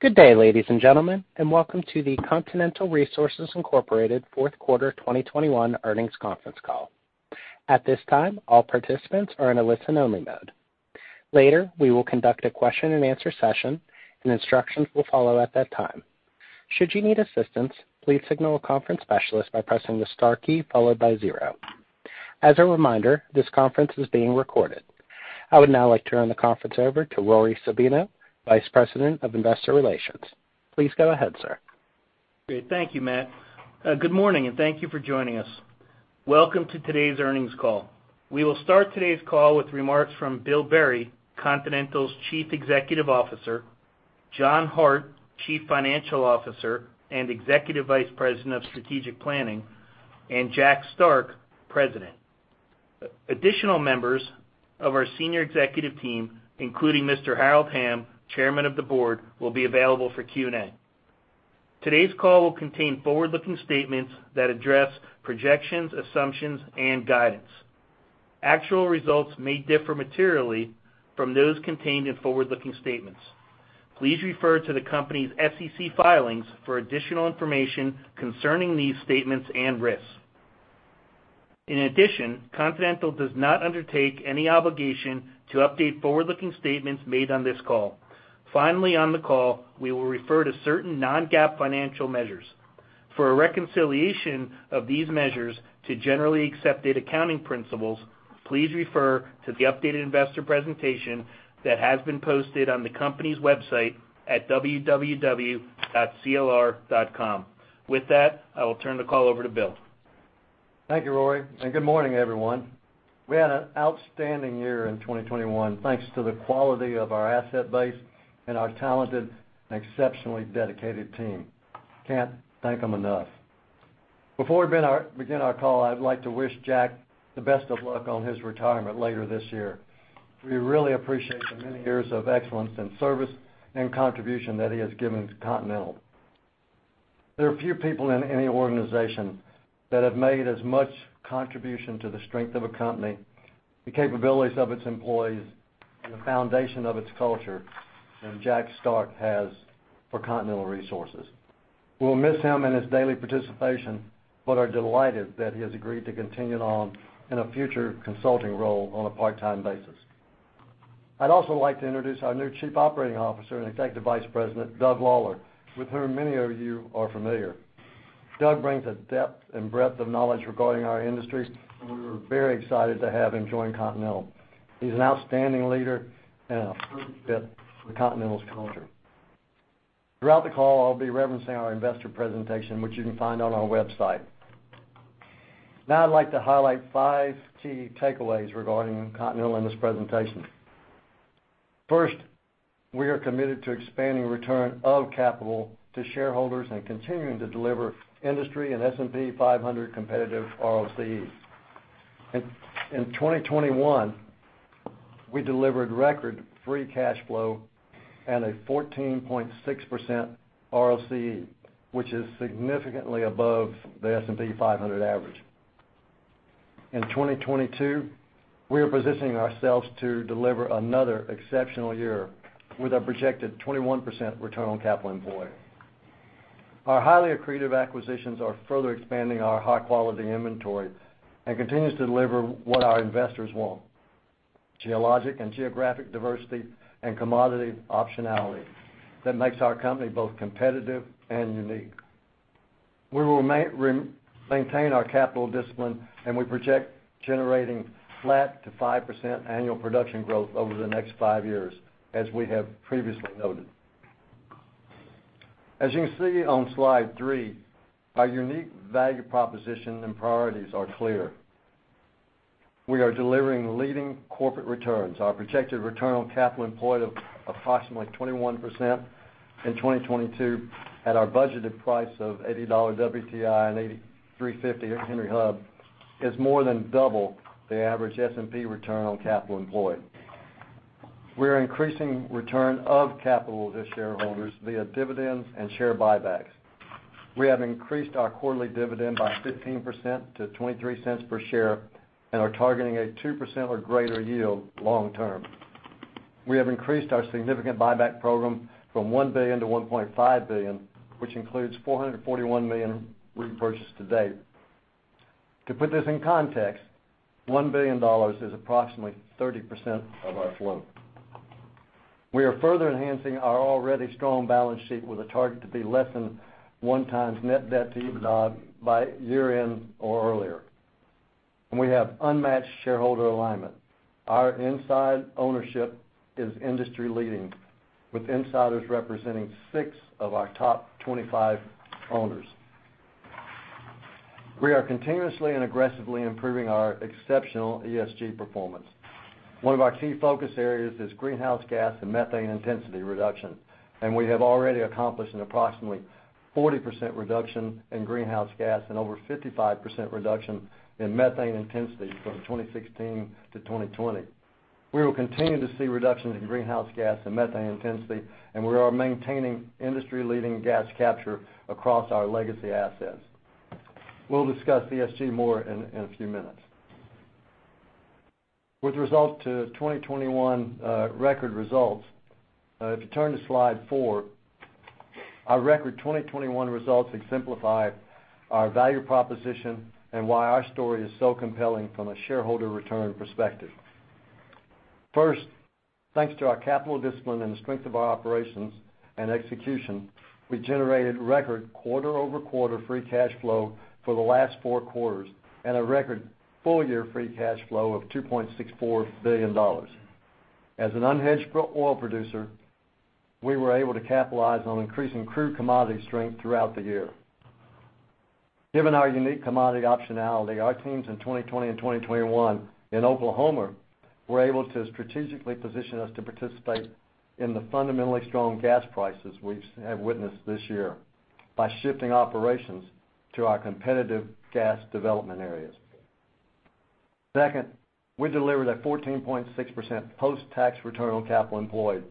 Good day, ladies and gentlemen, and welcome to the Continental Resources, Inc. Fourth Quarter 2021 Earnings Conference Call. At this time, all participants are in a listen-only mode. Later, we will conduct a question-and-answer session and instructions will follow at that time. Should you need assistance, please signal a conference specialist by pressing the star key followed by zero. As a reminder, this conference is being recorded. I would now like to turn the conference over to Rory Sabino, Vice President of Investor Relations. Please go ahead, sir. Great. Thank you, Matt. Good morning, and thank you for joining us. Welcome to today's earnings call. We will start today's call with remarks from Bill Berry, Continental's Chief Executive Officer, John Hart, Chief Financial Officer and Executive Vice President of Strategic Planning, and Jack Stark, President. Additional members of our senior executive team, including Mr. Harold Hamm, Chairman of the Board, will be available for Q&A. Today's call will contain forward-looking statements that address projections, assumptions, and guidance. Actual results may differ materially from those contained in forward-looking statements. Please refer to the company's SEC filings for additional information concerning these statements and risks. In addition, Continental does not undertake any obligation to update forward-looking statements made on this call. Finally, on the call, we will refer to certain non-GAAP financial measures. For a reconciliation of these measures to generally accepted accounting principles, please refer to the updated investor presentation that has been posted on the company's website at www.clr.com. With that, I will turn the call over to Bill. Thank you, Rory, and good morning, everyone. We had an outstanding year in 2021, thanks to the quality of our asset base and our talented and exceptionally dedicated team. Can't thank them enough. Before we begin our call, I'd like to wish Jack the best of luck on his retirement later this year. We really appreciate the many years of excellence and service and contribution that he has given to Continental. There are few people in any organization that have made as much contribution to the strength of a company, the capabilities of its employees, and the foundation of its culture than Jack Stark has for Continental Resources. We'll miss him and his daily participation, but are delighted that he has agreed to continue on in a future consulting role on a part-time basis. I'd also like to introduce our new Chief Operating Officer and Executive Vice President, Doug Lawler, with whom many of you are familiar. Doug brings a depth and breadth of knowledge regarding our industry, and we were very excited to have him join Continental. He's an outstanding leader and a perfect fit for Continental's culture. Throughout the call, I'll be referencing our investor presentation, which you can find on our website. Now I'd like to highlight five key takeaways regarding Continental in this presentation. First, we are committed to expanding return of capital to shareholders and continuing to deliver industry and S&P 500 competitive ROCEs. In 2021, we delivered record free cash flow and a 14.6% ROCE, which is significantly above the S&P 500 average. In 2022, we are positioning ourselves to deliver another exceptional year with a projected 21% return on capital employed. Our highly accretive acquisitions are further expanding our high-quality inventory and continues to deliver what our investors want, geologic and geographic diversity and commodity optionality that makes our company both competitive and unique. We will maintain our capital discipline, and we project generating flat to 5% annual production growth over the next five years, as we have previously noted. As you can see on slide three, our unique value proposition and priorities are clear. We are delivering leading corporate returns. Our projected return on capital employed of approximately 21% in 2022 at our budgeted price of $80 WTI and $8.35 at Henry Hub is more than double the average S&P return on capital employed. We're increasing return of capital to shareholders via dividends and share buybacks. We have increased our quarterly dividend by 15% to $0.23 per share and are targeting a 2% or greater yield long term. We have increased our significant buyback program from $1 billion to $1.5 billion, which includes $441 million repurchased to date. To put this in context, $1 billion is approximately 30% of our float. We are further enhancing our already strong balance sheet with a target to be less than 1x net debt to EBITDA by year-end or earlier. We have unmatched shareholder alignment. Our inside ownership is industry-leading, with insiders representing six of our top 25 owners. We are continuously and aggressively improving our exceptional ESG performance. One of our key focus areas is greenhouse gas and methane intensity reduction, and we have already accomplished an approximately 40% reduction in greenhouse gas and over 55% reduction in methane intensity from 2016 to 2020. We will continue to see reductions in greenhouse gas and methane intensity, and we are maintaining industry-leading gas capture across our legacy assets. We'll discuss ESG more in a few minutes. With respect to 2021, record results, if you turn to slide four, our record 2021 results exemplify our value proposition and why our story is so compelling from a shareholder return perspective. First, thanks to our capital discipline and the strength of our operations and execution, we generated record quarter-over-quarter free cash flow for the last four quarters and a record full-year free cash flow of $2.64 billion. As an unhedged oil producer, we were able to capitalize on increasing crude commodity strength throughout the year. Given our unique commodity optionality, our teams in 2020 and 2021 in Oklahoma were able to strategically position us to participate in the fundamentally strong gas prices we have witnessed this year by shifting operations to our competitive gas development areas. Second, we delivered a 14.6% post-tax return on capital employed.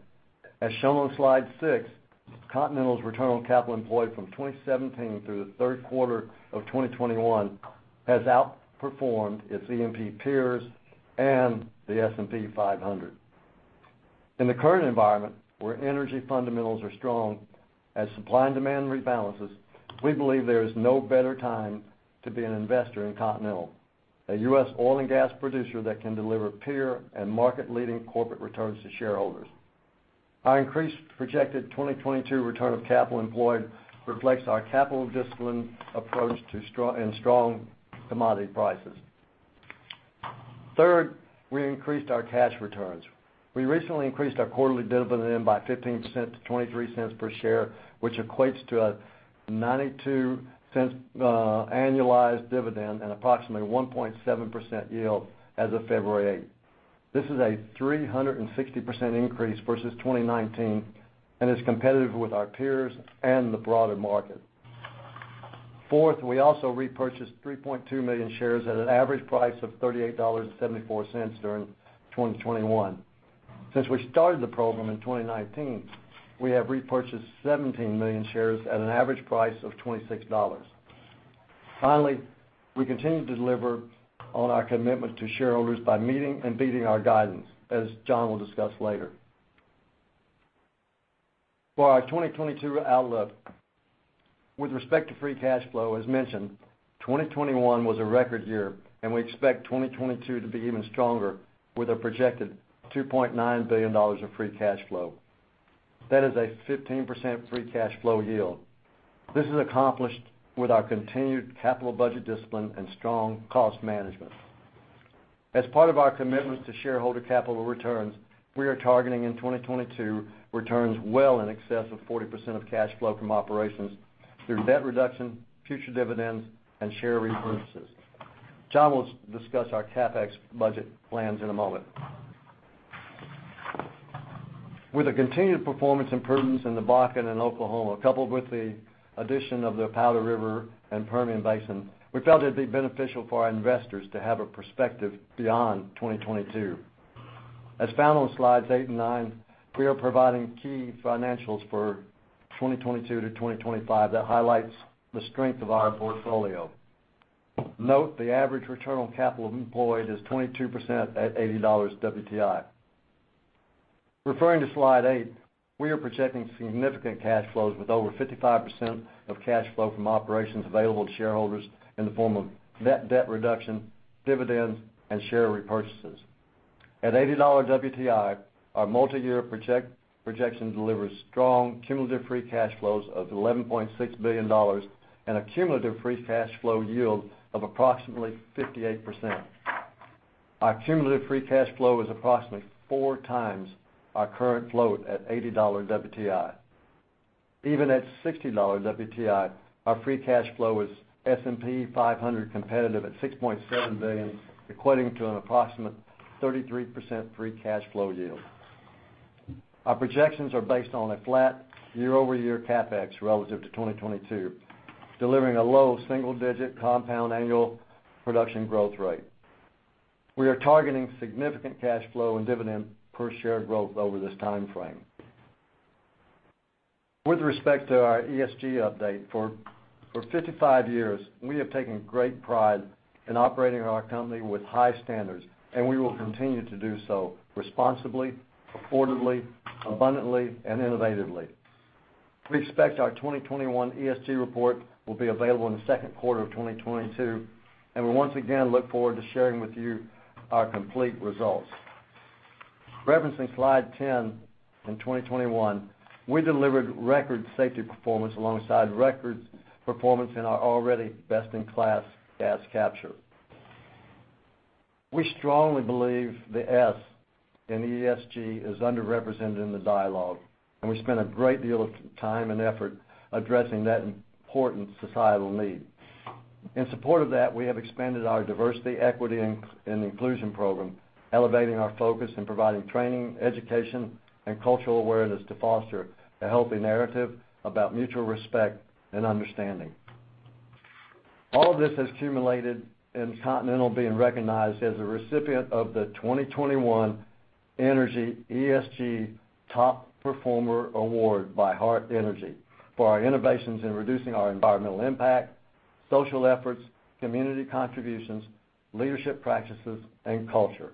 As shown on slide six, Continental's return on capital employed from 2017 through the third quarter of 2021 has outperformed its E&P peers and the S&P 500. In the current environment, where energy fundamentals are strong, as supply and demand rebalances, we believe there is no better time to be an investor in Continental, a U.S. oil and gas producer that can deliver peer and market-leading corporate returns to shareholders. Our increased projected 2022 return of capital employed reflects our capital discipline approach to strong commodity prices. Third, we increased our cash returns. We recently increased our quarterly dividend by $0.15 to $0.23 per share, which equates to a $0.92 annualized dividend and approximately 1.7% yield as of February 8. This is a 360% increase versus 2019 and is competitive with our peers and the broader market. Fourth, we also repurchased 3.2 million shares at an average price of $38.74 during 2021. Since we started the program in 2019, we have repurchased 17 million shares at an average price of $26. Finally, we continue to deliver on our commitment to shareholders by meeting and beating our guidance, as John will discuss later. For our 2022 outlook, with respect to free cash flow, as mentioned, 2021 was a record year, and we expect 2022 to be even stronger with a projected $2.9 billion of free cash flow. That is a 15% free cash flow yield. This is accomplished with our continued capital budget discipline and strong cost management. As part of our commitment to shareholder capital returns, we are targeting in 2022 returns well in excess of 40% of cash flow from operations through debt reduction, future dividends, and share repurchases. John will discuss our CapEx budget plans in a moment. With the continued performance improvements in the Bakken and Oklahoma, coupled with the addition of the Powder River and Permian Basin, we felt it'd be beneficial for our investors to have a perspective beyond 2022. As found on slides eight and nine, we are providing key financials for 2022-2025 that highlights the strength of our portfolio. Note the average return on capital employed is 22% at $80 WTI. Referring to slide eight, we are projecting significant cash flows with over 55% of cash flow from operations available to shareholders in the form of net debt reduction, dividends, and share repurchases. At $80 WTI, our multiyear projection delivers strong cumulative free cash flows of $11.6 billion and a cumulative free cash flow yield of approximately 58%. Our cumulative free cash flow is approximately four times our current flow at $80 WTI. Even at $60 WTI, our free cash flow is S&P 500 competitive at $6.7 billion, equating to an approximate 33% free cash flow yield. Our projections are based on a flat year-over-year CapEx relative to 2022, delivering a low single-digit compound annual production growth rate. We are targeting significant cash flow and dividend per share growth over this time frame. With respect to our ESG update, for 55 years, we have taken great pride in operating our company with high standards, and we will continue to do so responsibly, affordably, abundantly, and innovatively. We expect our 2021 ESG report will be available in the second quarter of 2022, and we once again look forward to sharing with you our complete results. Referencing slide 10, in 2021, we delivered record safety performance alongside record performance in our already best-in-class gas capture. We strongly believe the S in ESG is underrepresented in the dialogue, and we spend a great deal of time and effort addressing that important societal need. In support of that, we have expanded our diversity, equity, and inclusion program, elevating our focus and providing training, education, and cultural awareness to foster a healthy narrative about mutual respect and understanding. All of this has culminated in Continental being recognized as a recipient of the 2021 Energy ESG Top Performer Award by Hart Energy for our innovations in reducing our environmental impact, social efforts, community contributions, leadership practices, and culture.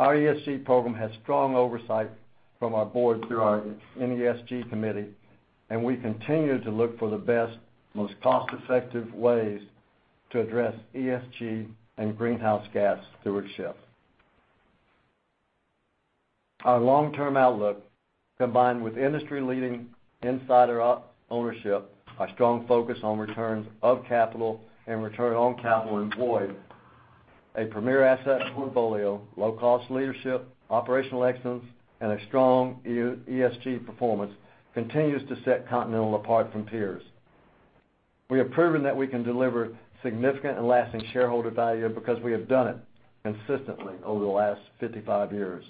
Our ESG program has strong oversight from our board through our N&ESG committee, and we continue to look for the best, most cost-effective ways to address ESG and greenhouse gas stewardship. Our long-term outlook, combined with industry-leading insider ownership, our strong focus on returns of capital and return on capital employed, a premier asset portfolio, low-cost leadership, operational excellence, and a strong ESG performance continues to set Continental apart from peers. We have proven that we can deliver significant and lasting shareholder value because we have done it consistently over the last 55 years.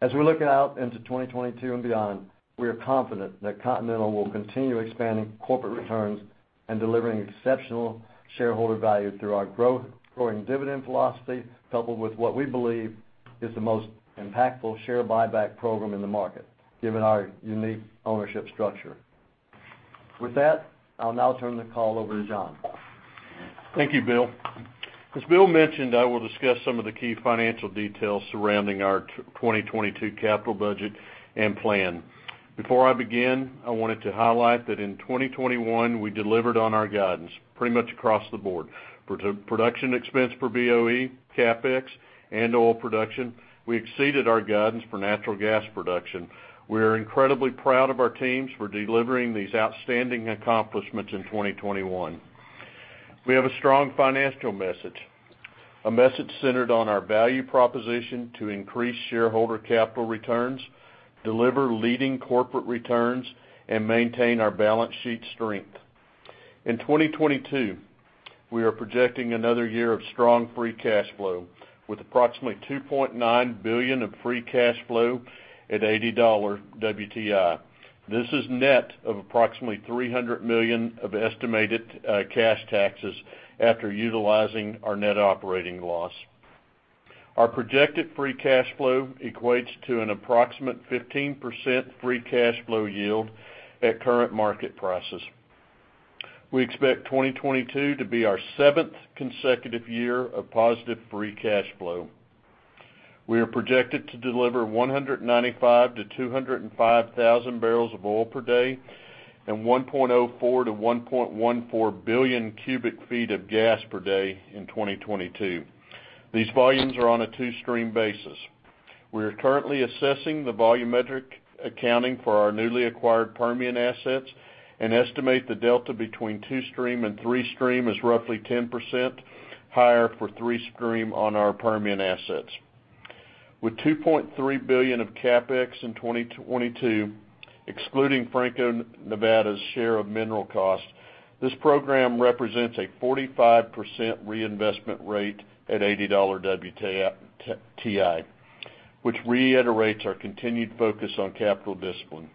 As we look out into 2022 and beyond, we are confident that Continental will continue expanding corporate returns and delivering exceptional shareholder value through our growing dividend philosophy, coupled with what we believe is the most impactful share buyback program in the market, given our unique ownership structure. With that, I'll now turn the call over to John. Thank you, Bill. As Bill mentioned, I will discuss some of the key financial details surrounding our 2022 capital budget and plan. Before I begin, I wanted to highlight that in 2021, we delivered on our guidance pretty much across the board. For production expense per BOE, CapEx, and oil production, we exceeded our guidance for natural gas production. We are incredibly proud of our teams for delivering these outstanding accomplishments in 2021. We have a strong financial message, a message centered on our value proposition to increase shareholder capital returns, deliver leading corporate returns, and maintain our balance sheet strength. In 2022, we are projecting another year of strong free cash flow with approximately $2.9 billion of free cash flow at $80 WTI. This is net of approximately $300 million of estimated cash taxes after utilizing our net operating loss. Our projected free cash flow equates to an approximate 15% free cash flow yield at current market prices. We expect 2022 to be our 7th consecutive year of positive free cash flow. We are projected to deliver 195-205 thousand barrels of oil per day and 1.04-1.14 Bcf of gas per day in 2022. These volumes are on a two-stream basis. We are currently assessing the volumetric accounting for our newly acquired Permian assets and estimate the delta between two-stream and three-stream is roughly 10% higher for three-stream on our Permian assets. With $2.3 billion of CapEx in 2022, excluding Franco-Nevada's share of mineral costs, this program represents a 45% reinvestment rate at $80 WTI, which reiterates our continued focus on capital discipline.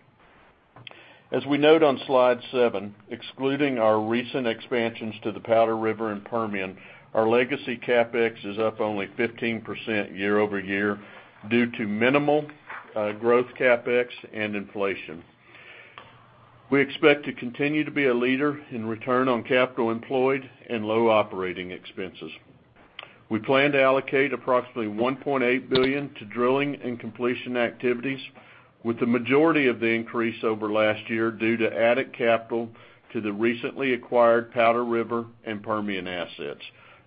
As we note on slide seven, excluding our recent expansions to the Powder River and Permian, our legacy CapEx is up only 15% year-over-year due to minimal growth CapEx and inflation. We expect to continue to be a leader in return on capital employed and low operating expenses. We plan to allocate approximately $1.8 billion to drilling and completion activities, with the majority of the increase over last year due to added capital to the recently acquired Powder River and Permian assets,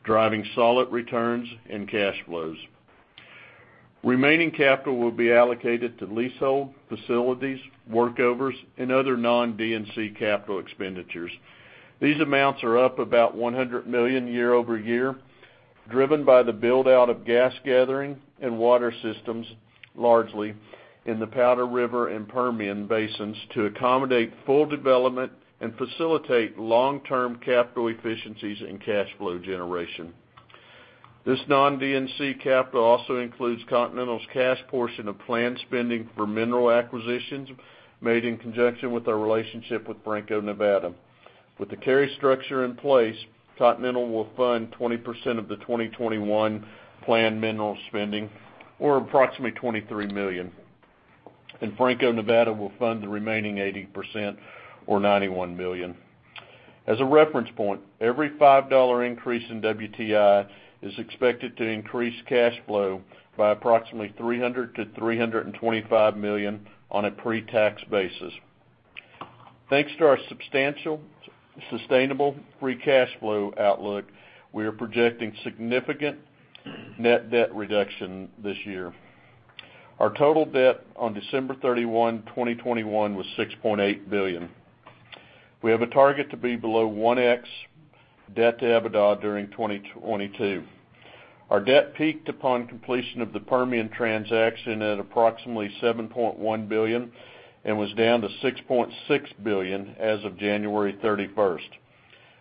driving solid returns and cash flows. Remaining capital will be allocated to leasehold, facilities, workovers, and other non-D&C capital expenditures. These amounts are up about $100 million year-over-year, driven by the build-out of gas gathering and water systems, largely in the Powder River and Permian basins, to accommodate full development and facilitate long-term capital efficiencies and cash flow generation. This non-D&C capital also includes Continental's cash portion of planned spending for mineral acquisitions made in conjunction with our relationship with Franco-Nevada. With the carry structure in place, Continental will fund 20% of the 2021 planned mineral spending, or approximately $23 million, and Franco-Nevada will fund the remaining 80%, or $91 million. As a reference point, every $5 increase in WTI is expected to increase cash flow by approximately $300-$325 million on a pre-tax basis. Thanks to our substantial, sustainable free cash flow outlook, we are projecting significant net debt reduction this year. Our total debt on December 31, 2021 was $6.8 billion. We have a target to be below 1x debt-to-EBITDA during 2022. Our debt peaked upon completion of the Permian transaction at approximately $7.1 billion and was down to $6.6 billion as of January 31.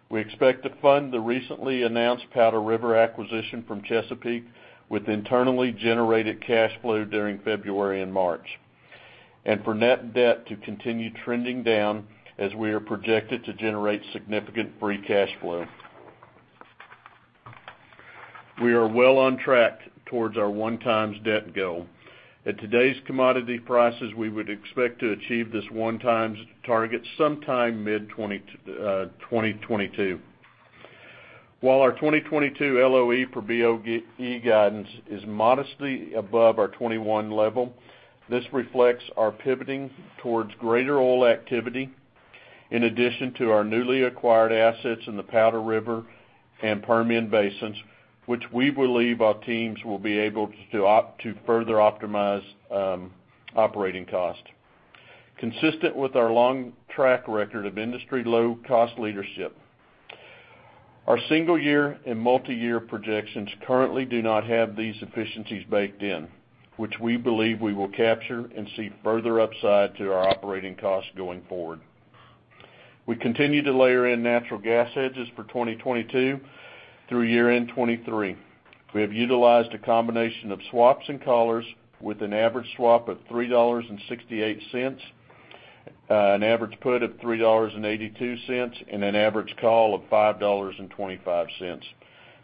We expect to fund the recently announced Powder River acquisition from Chesapeake with internally generated cash flow during February and March, and for net debt to continue trending down as we are projected to generate significant free cash flow. We are well on track towards our 1x debt goal. At today's commodity prices, we would expect to achieve this 1x target sometime mid-2022. While our 2022 LOE per BOE guidance is modestly above our 2021 level, this reflects our pivoting towards greater oil activity in addition to our newly acquired assets in the Powder River and Permian Basins, which we believe our teams will be able to further optimize operating costs. Consistent with our long track record of industry-low cost leadership, our single year and multiyear projections currently do not have these efficiencies baked in, which we believe we will capture and see further upside to our operating costs going forward. We continue to layer in natural gas hedges for 2022 through year-end 2023. We have utilized a combination of swaps and collars with an average swap of $3.68, an average put of $3.82, and an average call of $5.25.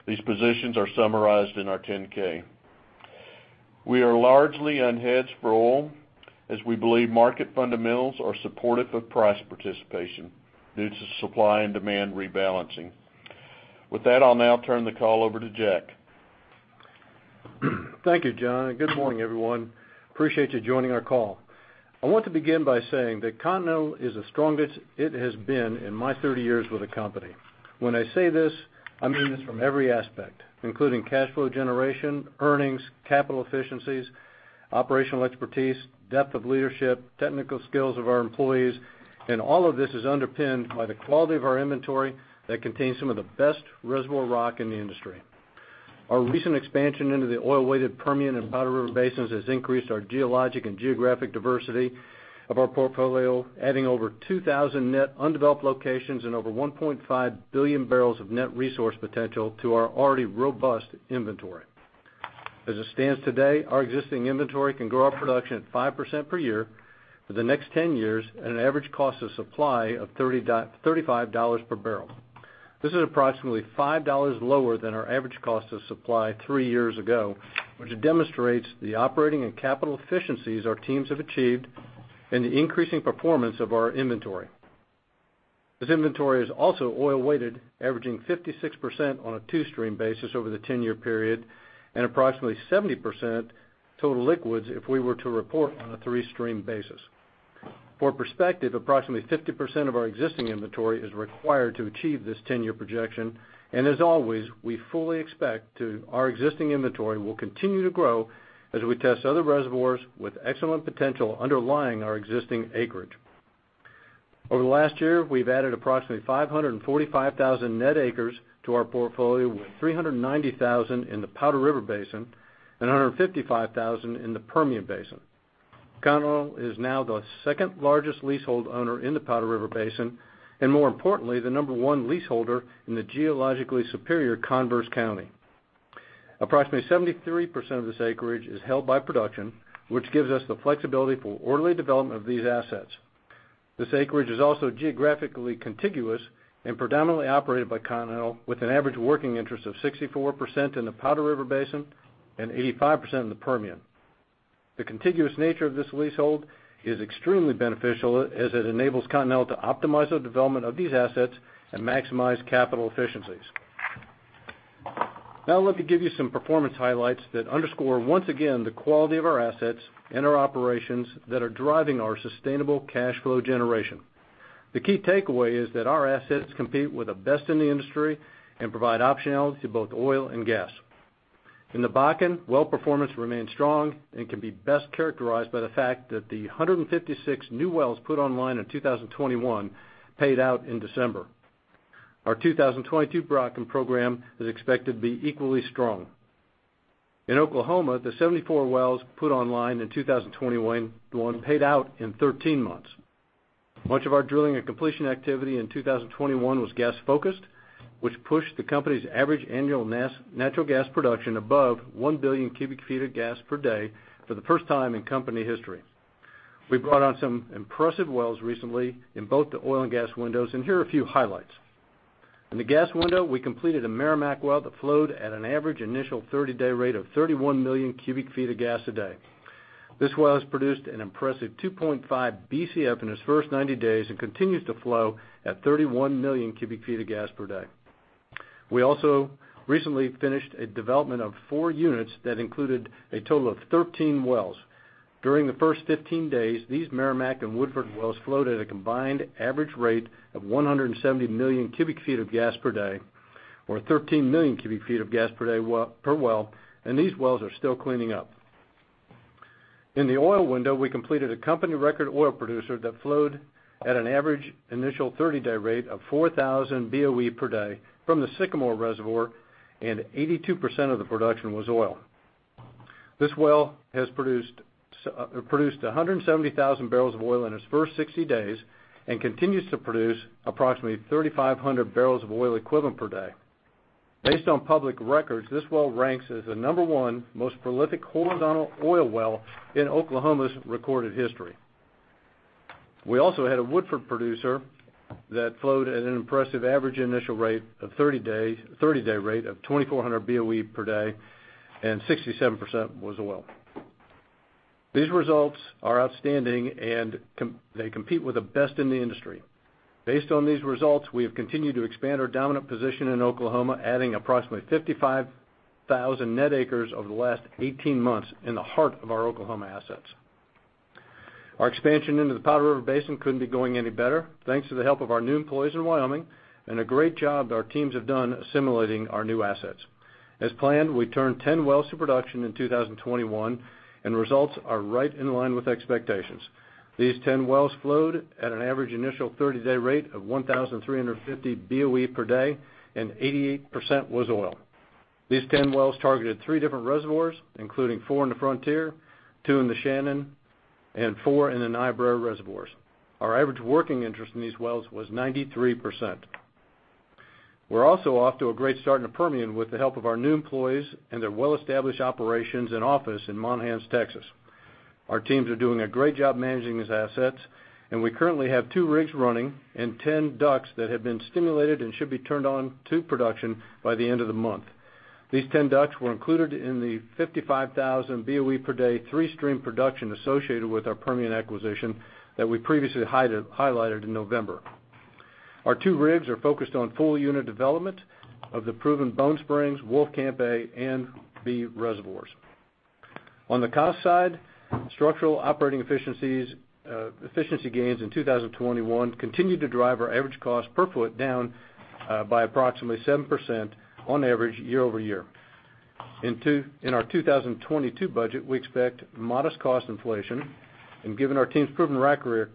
These positions are summarized in our 10-K. We are largely unhedged for oil, as we believe market fundamentals are supportive of price participation due to supply and demand rebalancing. With that, I'll now turn the call over to Jack. Thank you, John, and good morning, everyone. Appreciate you joining our call. I want to begin by saying that Continental is the strongest it has been in my 30 years with the company. When I say this, I mean this from every aspect, including cash flow generation, earnings, capital efficiencies, operational expertise, depth of leadership, technical skills of our employees, and all of this is underpinned by the quality of our inventory that contains some of the best reservoir rock in the industry. Our recent expansion into the oil-weighted Permian and Powder River Basins has increased our geologic and geographic diversity of our portfolio, adding over 2,000 net undeveloped locations and over 1.5 billion barrels of net resource potential to our already robust inventory. As it stands today, our existing inventory can grow our production at 5% per year for the next 10 years at an average cost of supply of $35 per barrel. This is approximately $5 lower than our average cost of supply three years ago, which demonstrates the operating and capital efficiencies our teams have achieved and the increasing performance of our inventory. This inventory is also oil-weighted, averaging 56% on a two-stream basis over the 10-year period, and approximately 70% total liquids if we were to report on a three-stream basis. For perspective, approximately 50% of our existing inventory is required to achieve this 10-year projection, and as always, we fully expect our existing inventory will continue to grow as we test other reservoirs with excellent potential underlying our existing acreage. Over the last year, we've added approximately 545,000 net acres to our portfolio, with 390,000 in the Powder River Basin and 155,000 in the Permian Basin. Continental is now the second-largest leasehold owner in the Powder River Basin, and more importantly, the number one leaseholder in the geologically superior Converse County. Approximately 73% of this acreage is held by production, which gives us the flexibility for orderly development of these assets. This acreage is also geographically contiguous and predominantly operated by Continental with an average working interest of 64% in the Powder River Basin and 85% in the Permian. The contiguous nature of this leasehold is extremely beneficial as it enables Continental to optimize the development of these assets and maximize capital efficiencies. Now I'd like to give you some performance highlights that underscore, once again, the quality of our assets and our operations that are driving our sustainable cash flow generation. The key takeaway is that our assets compete with the best in the industry and provide optionality to both oil and gas. In the Bakken, well performance remains strong and can be best characterized by the fact that the 156 new wells put online in 2021 paid out in December. Our 2022 Bakken program is expected to be equally strong. In Oklahoma, the 74 wells put online in 2021, one paid out in 13 months. Much of our drilling and completion activity in 2021 was gas-focused, which pushed the company's average annual natural gas production above one billion cubic feet of gas per day for the first time in company history. We brought on some impressive wells recently in both the oil and gas windows, and here are a few highlights. In the gas window, we completed a Meramec well that flowed at an average initial 30-day rate of 31 million cubic feet of gas a day. This well has produced an impressive 2.5 Bcf in its first 90 days and continues to flow at 31 million cubic feet of gas per day. We also recently finished a development of four units that included a total of 13 wells. During the first 15 days, these Meramec and Woodford wells flowed at a combined average rate of 170 million cubic feet of gas per day, or 13 million cubic feet of gas per day per well, and these wells are still cleaning up. In the oil window, we completed a company record oil producer that flowed at an average initial 30-day rate of 4,000 BOE per day from the Sycamore reservoir, and 82% of the production was oil. This well has produced 170,000 barrels of oil in its first 60 days and continues to produce approximately 3,500 barrels of oil equivalent per day. Based on public records, this well ranks as the number one most prolific horizontal oil well in Oklahoma's recorded history. We also had a Woodford producer that flowed at an impressive average initial rate of 30-day rate of 2,400 BOE per day, and 67% was oil. These results are outstanding and they compete with the best in the industry. Based on these results, we have continued to expand our dominant position in Oklahoma, adding approximately 55,000 net acres over the last 18 months in the heart of our Oklahoma assets. Our expansion into the Powder River Basin couldn't be going any better, thanks to the help of our new employees in Wyoming and a great job our teams have done assimilating our new assets. As planned, we turned 10 wells to production in 2021, and results are right in line with expectations. These 10 wells flowed at an average initial 30-day rate of 1,350 BOE per day, and 88% was oil. These 10 wells targeted three different reservoirs, including four in the Frontier, two in the Shannon, and four in the Niobrara reservoirs. Our average working interest in these wells was 93%. We're also off to a great start in the Permian with the help of our new employees and their well-established operations and office in Monahans, Texas. Our teams are doing a great job managing these assets, and we currently have two rigs running and 10 DUCs that have been stimulated and should be turned on to production by the end of the month. These 10 DUCs were included in the 55,000 BOE per day, three-stream production associated with our Permian acquisition that we previously highlighted in November. Our two rigs are focused on full unit development of the proven Bone Springs, Wolfcamp A and B reservoirs. On the cost side, structural operating efficiencies, efficiency gains in 2021 continued to drive our average cost per foot down by approximately 7% year-over-year. In our 2022 budget, we expect modest cost inflation, and given our team's proven record,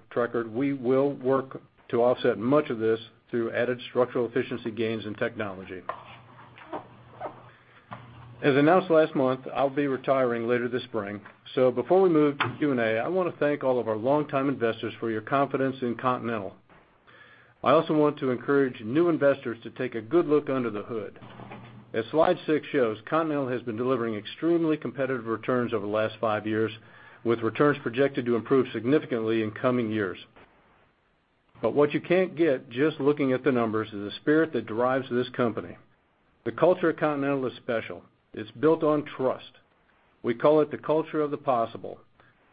we will work to offset much of this through added structural efficiency gains and technology. As announced last month, I'll be retiring later this spring. Before we move to Q&A, I wanna thank all of our longtime investors for your confidence in Continental. I also want to encourage new investors to take a good look under the hood. As slide six shows, Continental has been delivering extremely competitive returns over the last five years, with returns projected to improve significantly in coming years. What you can't get just looking at the numbers is the spirit that drives this company. The culture of Continental is special. It's built on trust. We call it the culture of the possible.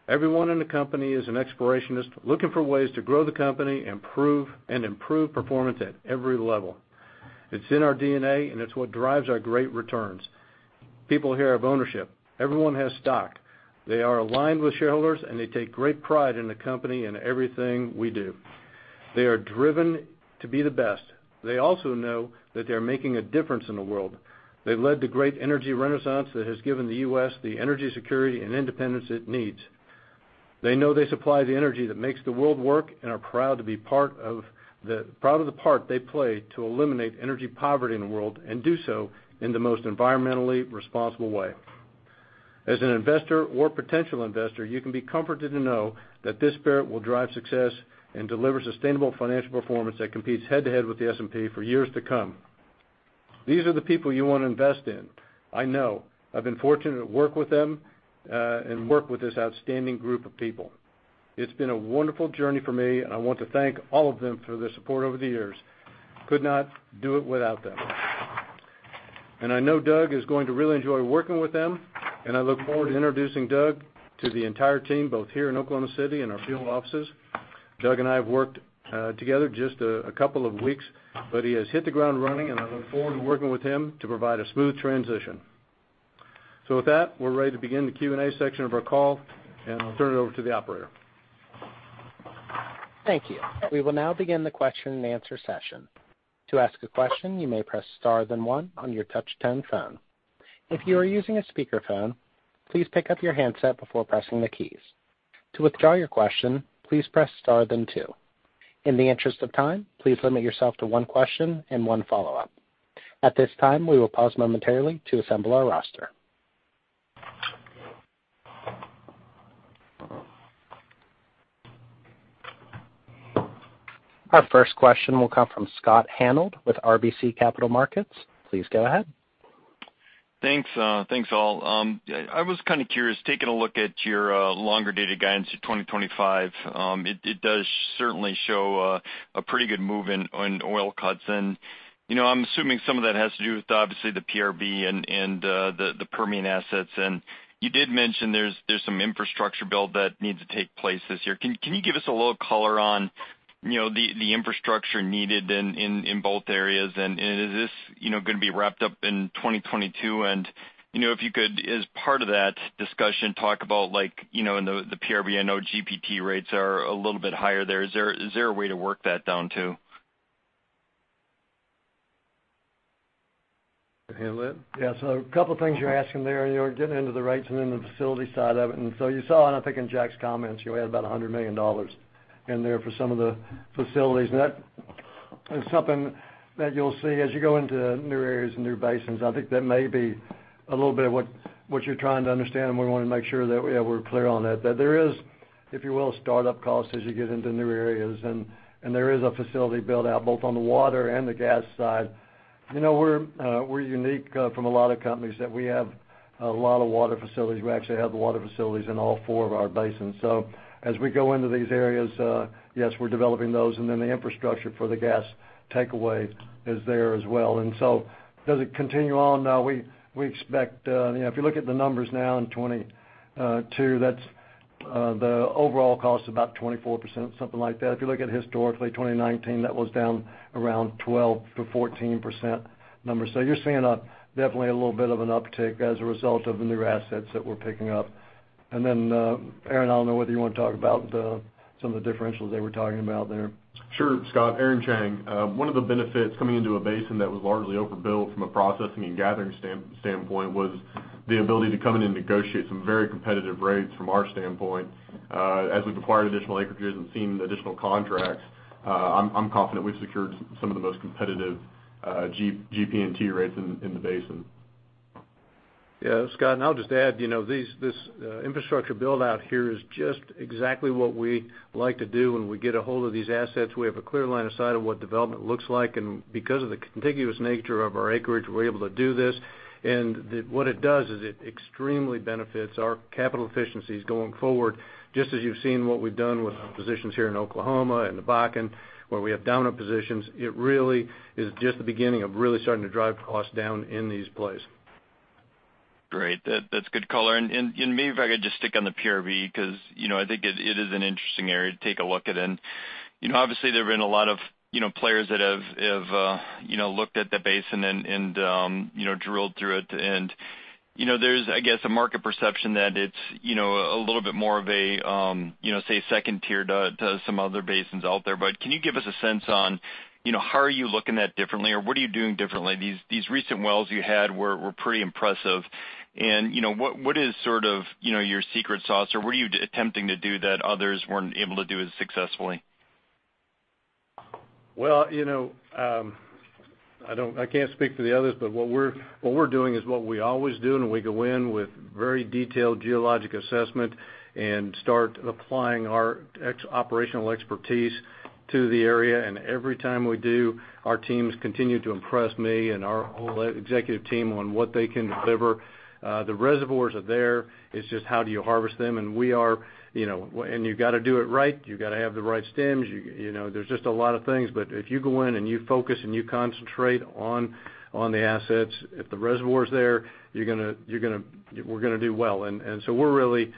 Everyone in the company is an explorationist looking for ways to grow the company, improve, and improve performance at every level. It's in our DNA, and it's what drives our great returns. People here have ownership. Everyone has stock. They are aligned with shareholders, and they take great pride in the company and everything we do. They are driven to be the best. They also know that they're making a difference in the world. They've led the great energy renaissance that has given the U.S. the energy security and independence it needs. They know they supply the energy that makes the world work and are proud of the part they play to eliminate energy poverty in the world and do so in the most environmentally responsible way. As an investor or potential investor, you can be comforted to know that this spirit will drive success and deliver sustainable financial performance that competes head-to-head with the S&P for years to come. These are the people you wanna invest in. I know, I've been fortunate to work with them and work with this outstanding group of people. It's been a wonderful journey for me, and I want to thank all of them for their support over the years. I could not do it without them. I know Doug is going to really enjoy working with them, and I look forward to introducing Doug to the entire team, both here in Oklahoma City and our field offices. Doug and I have worked together just a couple of weeks, but he has hit the ground running, and I look forward to working with him to provide a smooth transition. With that, we're ready to begin the Q&A section of our call, and I'll turn it over to the operator. Thank you. We will now begin the question-and-answer session. To ask a question, you may press star then one on your touch-tone phone. If you are using a speakerphone, please pick up your handset before pressing the keys. To withdraw your question, please press star then two. In the interest of time, please limit yourself to one question and one follow-up. At this time, we will pause momentarily to assemble our roster. Our first question will come from Scott Hanold with RBC Capital Markets. Please go ahead. Thanks, all. I was kinda curious, taking a look at your longer-dated guidance to 2025, it does certainly show a pretty good move in on oil cuts. You know, I'm assuming some of that has to do with obviously the PRB and the Permian assets. You did mention there's some infrastructure build that needs to take place this year. Can you give us a little color on, you know, the infrastructure needed in both areas? Is this, you know, gonna be wrapped up in 2022? You know, if you could, as part of that discussion, talk about like, you know, in the PRB, I know GP&T rates are a little bit higher there. Is there a way to work that down, too? You wanna handle that? Yeah, a couple things you're asking there. You're getting into the rates and then the facility side of it. You saw, and I think in Jack's comments, you know, we had about $100 million in there for some of the facilities. That is something that you'll see as you go into new areas and new basins. I think that may be a little bit of what you're trying to understand, and we wanna make sure that, yeah, we're clear on that. That there is, if you will, startup costs as you get into new areas. There is a facility build-out both on the water and the gas side. You know, we're unique from a lot of companies that we have a lot of water facilities. We actually have the water facilities in all four of our basins. So as we go into these areas, yes, we're developing those, and then the infrastructure for the gas takeaway is there as well. Does it continue on? Now, we expect, you know, if you look at the numbers now in 2022, that's the overall cost about 24%, something like that. If you look at historically, 2019, that was down around 12%-14% numbers. You're seeing definitely a little bit of an uptick as a result of the new assets that we're picking up. Aaron, I don't know whether you wanna talk about the, some of the differentials they were talking about there. Sure. Scott, Aaron Chang. One of the benefits coming into a basin that was largely overbuilt from a processing and gathering standpoint was the ability to come in and negotiate some very competitive rates from our standpoint. As we've acquired additional acreages and signed the additional contracts, I'm confident we've secured some of the most competitive GP&T rates in the basin. Yeah. Scott, I'll just add, you know, this infrastructure build out here is just exactly what we like to do when we get ahold of these assets. We have a clear line of sight of what development looks like, and because of the contiguous nature of our acreage, we're able to do this. What it does is it extremely benefits our capital efficiencies going forward, just as you've seen what we've done with our positions here in Oklahoma and the Bakken, where we have down-dip positions. It really is just the beginning of really starting to drive costs down in these plays. Great. That's good color. Maybe if I could just stick on the PRB because I think it is an interesting area to take a look at. Obviously, there have been a lot of players that have looked at the basin and drilled through it. There's, I guess, a market perception that it's a little bit more of a, say, second tier to some other basins out there. Can you give us a sense on how are you looking at differently or what are you doing differently? These recent wells you had were pretty impressive. What is sort of your secret sauce? What are you attempting to do that others weren't able to do as successfully? Well, you know, I can't speak for the others, but what we're doing is what we always do, and we go in with very detailed geologic assessment and start applying our operational expertise to the area. Every time we do, our teams continue to impress me and our whole executive team on what they can deliver. The reservoirs are there. It's just how do you harvest them? You gotta do it right. You gotta have the right stems. You know, there's just a lot of things. If you go in and you focus and you concentrate on the assets, if the reservoir's there, you're gonna, we're gonna do well. So we're really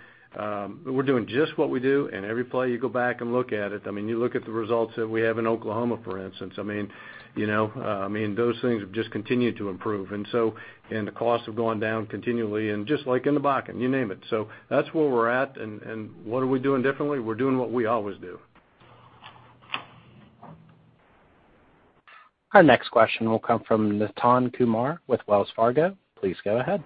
doing just what we do. Every play you go back and look at it, I mean, you look at the results that we have in Oklahoma, for instance. I mean, you know, I mean, those things have just continued to improve. The costs have gone down continually and just like in the Bakken, you name it. That's where we're at. What are we doing differently? We're doing what we always do. Our next question will come from Nitin Kumar with Wells Fargo. Please go ahead.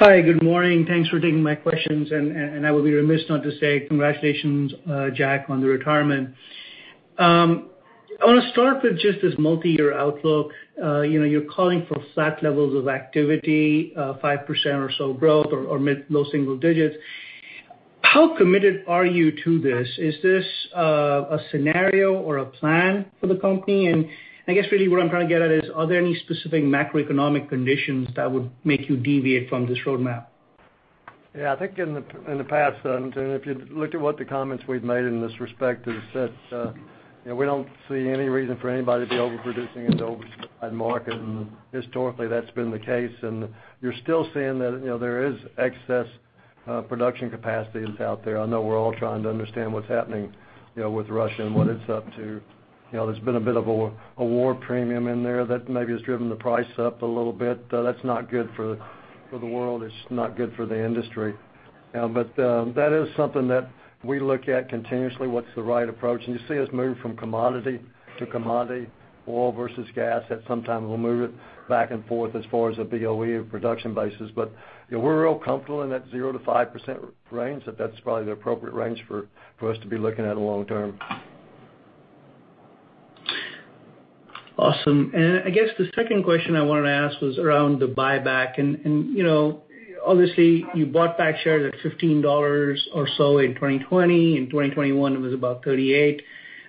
Hi. Good morning. Thanks for taking my questions. I will be remiss not to say congratulations, Jack, on the retirement. I wanna start with just this multiyear outlook. You know, you're calling for flat levels of activity, 5% or so growth or mid-low single digits. How committed are you to this? Is this a scenario or a plan for the company? I guess really what I'm trying to get at is, are there any specific macroeconomic conditions that would make you deviate from this roadmap? Yeah. I think in the past, Nitin, if you looked at what the comments we've made in this respect is that, you know, we don't see any reason for anybody to be overproducing into an oversized market. Historically, that's been the case. You're still seeing that, you know, there is excess production capacities out there. I know we're all trying to understand what's happening, you know, with Russia and what it's up to. You know, there's been a bit of a war premium in there that maybe has driven the price up a little bit. That's not good for the world. It's not good for the industry. That is something that we look at continuously, what's the right approach. You see us move from commodity to commodity, oil versus gas, at some time, we'll move it back and forth as far as a BOE or production basis. You know, we're real comfortable in that 0%-5% range, that that's probably the appropriate range for us to be looking at long term. Awesome. I guess the second question I wanted to ask was around the buyback. You know, obviously, you bought back shares at $15 or so in 2020. In 2021, it was about $38.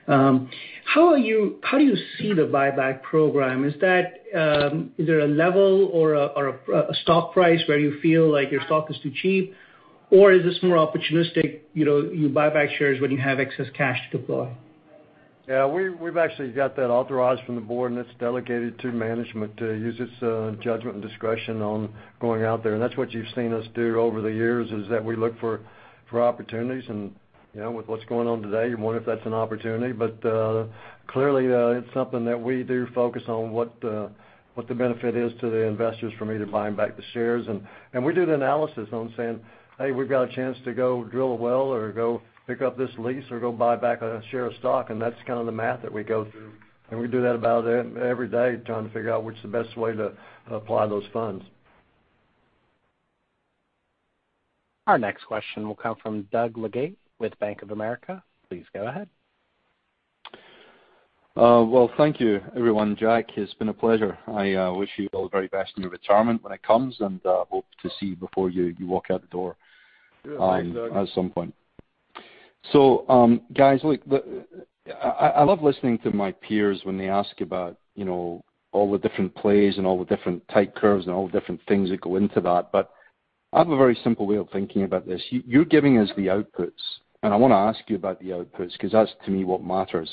How do you see the buyback program? Is there a level or a stock price where you feel like your stock is too cheap? Or is this more opportunistic, you know, you buy back shares when you have excess cash to deploy? Yeah. We've actually got that authorized from the board, and it's delegated to management to use its judgment and discretion on going out there. That's what you've seen us do over the years, is that we look for opportunities. You know, with what's going on today, you wonder if that's an opportunity. Clearly, it's something that we do focus on what the benefit is to the investors for me to buying back the shares. We do the analysis on saying, "Hey, we've got a chance to go drill a well or go pick up this lease or go buy back a share of stock." That's kind of the math that we go through. We do that about every day, trying to figure out which is the best way to apply those funds. Our next question will come from Doug Leggate with Bank of America. Please go ahead. Well, thank you, everyone. Jack, it's been a pleasure. I wish you all the very best in your retirement when it comes, and hope to see you before you walk out the door, at some point. Guys, look, I love listening to my peers when they ask about, you know, all the different plays and all the different type curves and all the different things that go into that. I have a very simple way of thinking about this. You're giving us the outputs, and I wanna ask you about the outputs 'cause that's to me what matters.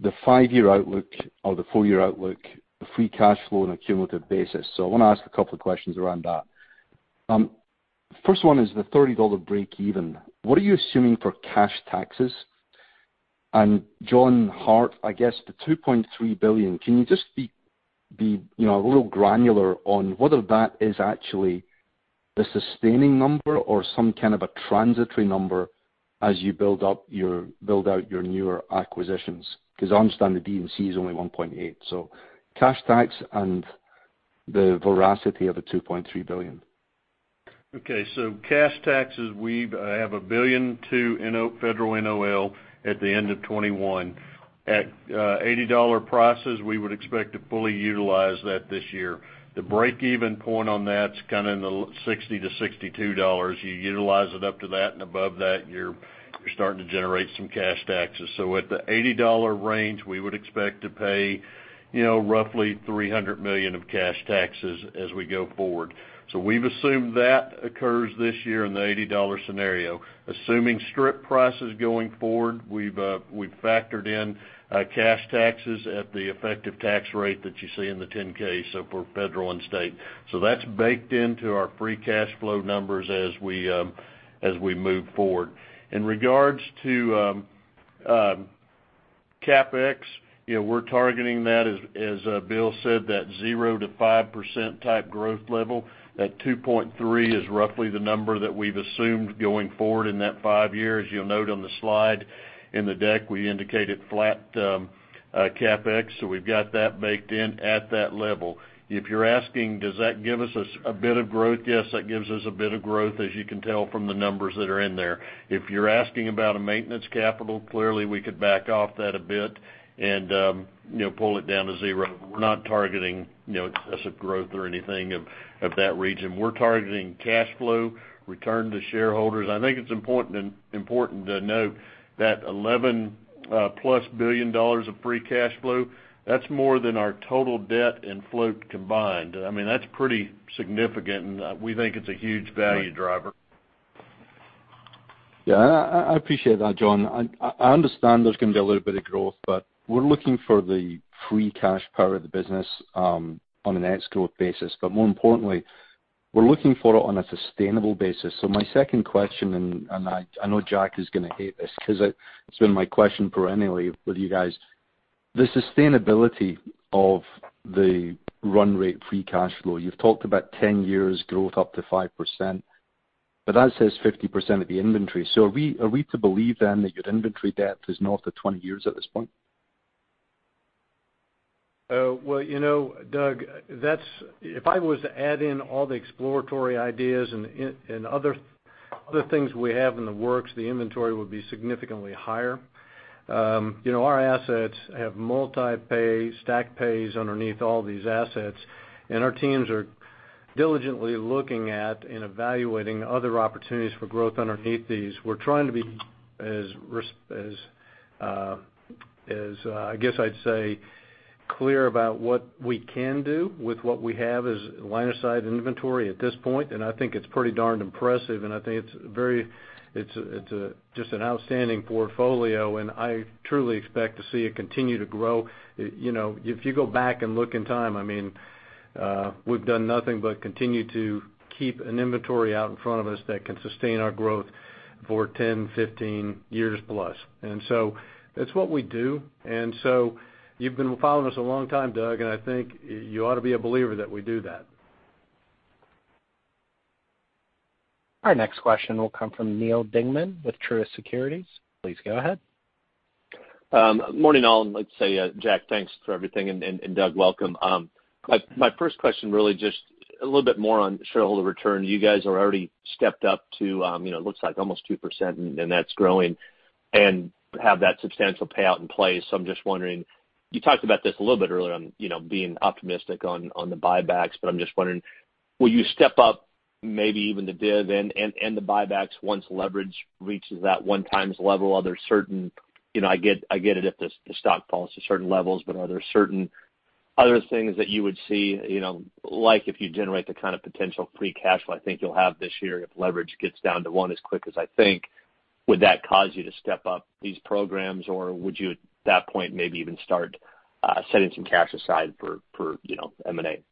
The five-year outlook or the four-year outlook, the free cash flow on a cumulative basis. I wanna ask a couple of questions around that. First one is the $30 break even. What are you assuming for cash taxes? John Hart, I guess the $2.3 billion, can you just be, you know, a little granular on whether that is actually the sustaining number or some kind of a transitory number as you build out your newer acquisitions? 'Cause I understand the D&C is only $1.8 billion. Cash tax and the rest of the $2.3 billion. Okay. Cash taxes, we have $1.2 billion in federal NOL at the end of 2021. At $80 prices, we would expect to fully utilize that this year. The break-even point on that's kinda in the $60-$62. You utilize it up to that and above that, you're starting to generate some cash taxes. At the $80 range, we would expect to pay, you know, roughly $300 million of cash taxes as we go forward. We've assumed that occurs this year in the $80 scenario. Assuming strip prices going forward, we've factored in cash taxes at the effective tax rate that you see in the 10-K, so for federal and state. That's baked into our free cash flow numbers as we move forward. In regards to CapEx, you know, we're targeting that as Bill said, that 0%-5% type growth level. That 2.3 is roughly the number that we've assumed going forward in that five years. You'll note on the slide in the deck, we indicated flat CapEx, so we've got that baked in at that level. If you're asking does that give us a bit of growth, yes, that gives us a bit of growth as you can tell from the numbers that are in there. If you're asking about a maintenance capital, clearly we could back off that a bit and you know, pull it down to zero. We're not targeting you know, excessive growth or anything of that region. We're targeting cash flow, return to shareholders. I think it's important to note that +$11 billion of free cash flow, that's more than our total debt and float combined. I mean, that's pretty significant, and we think it's a huge value driver. Yeah. I appreciate that, John. I understand there's gonna be a little bit of growth, but we're looking for the free cash flow of the business, on an ex-growth basis. More importantly, we're looking for it on a sustainable basis. My second question, and I know Jack is gonna hate this 'cause it's been my question perennially with you guys. The sustainability of the run rate free cash flow, you've talked about 10 years growth up to 5%, but that says 50% of the inventory. Are we to believe then that your inventory depth is north of 20 years at this point? Well, you know, Doug, that's if I was to add in all the exploratory ideas and other things we have in the works, the inventory would be significantly higher. You know, our assets have multi-pay, stack pays underneath all these assets, and our teams are diligently looking at and evaluating other opportunities for growth underneath these. We're trying to be as, I guess I'd say, clear about what we can do with what we have as line of sight inventory at this point. I think it's pretty darn impressive, and I think it's just an outstanding portfolio, and I truly expect to see it continue to grow. You know, if you go back and look in time, I mean, we've done nothing but continue to keep an inventory out in front of us that can sustain our growth for 10-15 years plus. That's what we do. You've been following us a long time, Doug, and I think you ought to be a believer that we do that. Our next question will come from Neal Dingmann with Truist Securities. Please go ahead. Morning, all. Let's say, Jack, thanks for everything and Doug, welcome. My first question really just a little bit more on shareholder return. You guys are already stepped up to, you know, looks like almost 2% and that's growing and have that substantial payout in place. I'm just wondering, you talked about this a little bit earlier on, you know, being optimistic on the buybacks. I'm just wondering, will you step up maybe even the div and the buybacks once leverage reaches that 1x level? Are there certain... You know, I get it if the stock falls to certain levels, but are there certain other things that you would see, you know, like if you generate the kind of potential free cash flow I think you'll have this year if leverage gets down to one as quick as I think, would that cause you to step up these programs, or would you at that point maybe even start setting some cash aside for, you know, M&A?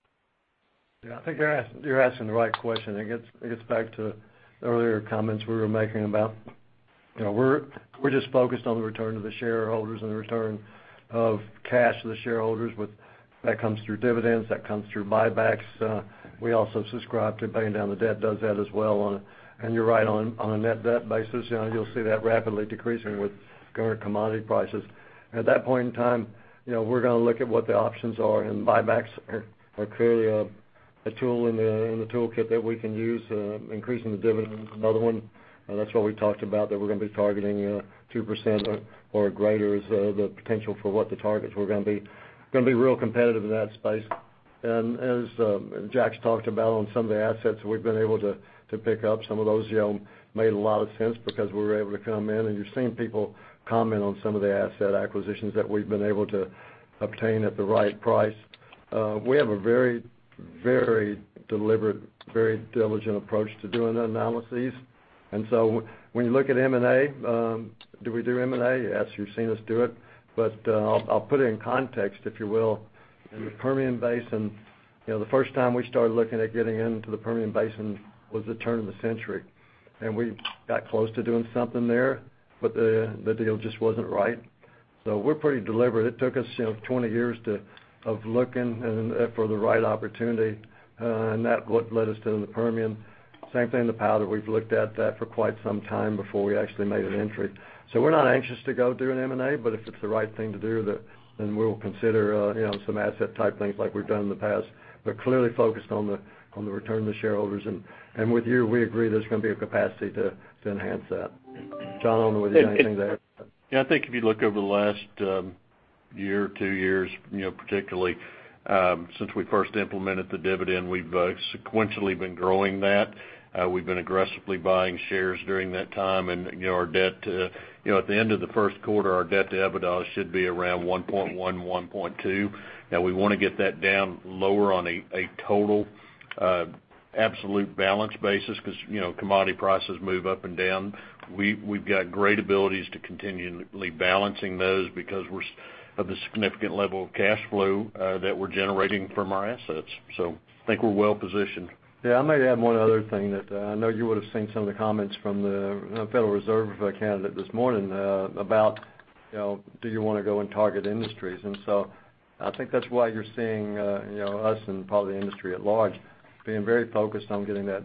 Yeah. I think you're asking the right question. It gets back to earlier comments we were making about, you know, we're just focused on the return of the shareholders and the return of cash to the shareholders. That comes through dividends, that comes through buybacks. We also subscribe to paying down the debt, does that as well. You're right on a net debt basis, you know, you'll see that rapidly decreasing with current commodity prices. At that point in time, you know, we're gonna look at what the options are, and buybacks are clearly a tool in the toolkit that we can use. Increasing the dividend is another one. That's what we talked about, that we're gonna be targeting, you know, 2% or greater is the potential for what the targets we're gonna be Going to be real competitive in that space. As Jack's talked about on some of the assets we've been able to pick up, some of those made a lot of sense because we were able to come in. You're seeing people comment on some of the asset acquisitions that we've been able to obtain at the right price. We have a very, very deliberate, very diligent approach to doing the analyses. When you look at M&A, do we do M&A? Yes, you've seen us do it. I'll put it in context, if you will. In the Permian Basin, the first time we started looking at getting into the Permian Basin was the turn of the century. We got close to doing something there, but the deal just wasn't right. We're pretty deliberate. It took us, you know, 20 years of looking and for the right opportunity, and that's what led us to the Permian. Same thing in the Powder. We've looked at that for quite some time before we actually made an entry. We're not anxious to go do an M&A, but if it's the right thing to do, then we'll consider, you know, some asset type things like we've done in the past. Clearly focused on the return to shareholders. With you, we agree there's gonna be a capacity to enhance that. John, I don't know whether you have anything to add. Yeah, I think if you look over the last year or two years, you know, particularly, since we first implemented the dividend, we've sequentially been growing that. We've been aggressively buying shares during that time. You know, our debt, you know, at the end of the first quarter, our debt to EBITDA should be around 1.1.2. Now we wanna get that down lower on a total absolute balance basis 'cause, you know, commodity prices move up and down. We've got great abilities to continually balance those because of the significant level of cash flow that we're generating from our assets. I think we're well positioned. Yeah, I might add one other thing that I know you would've seen some of the comments from the Federal Reserve candidate this morning about you know do you wanna go and target industries. I think that's why you're seeing you know us and probably industry at large being very focused on getting that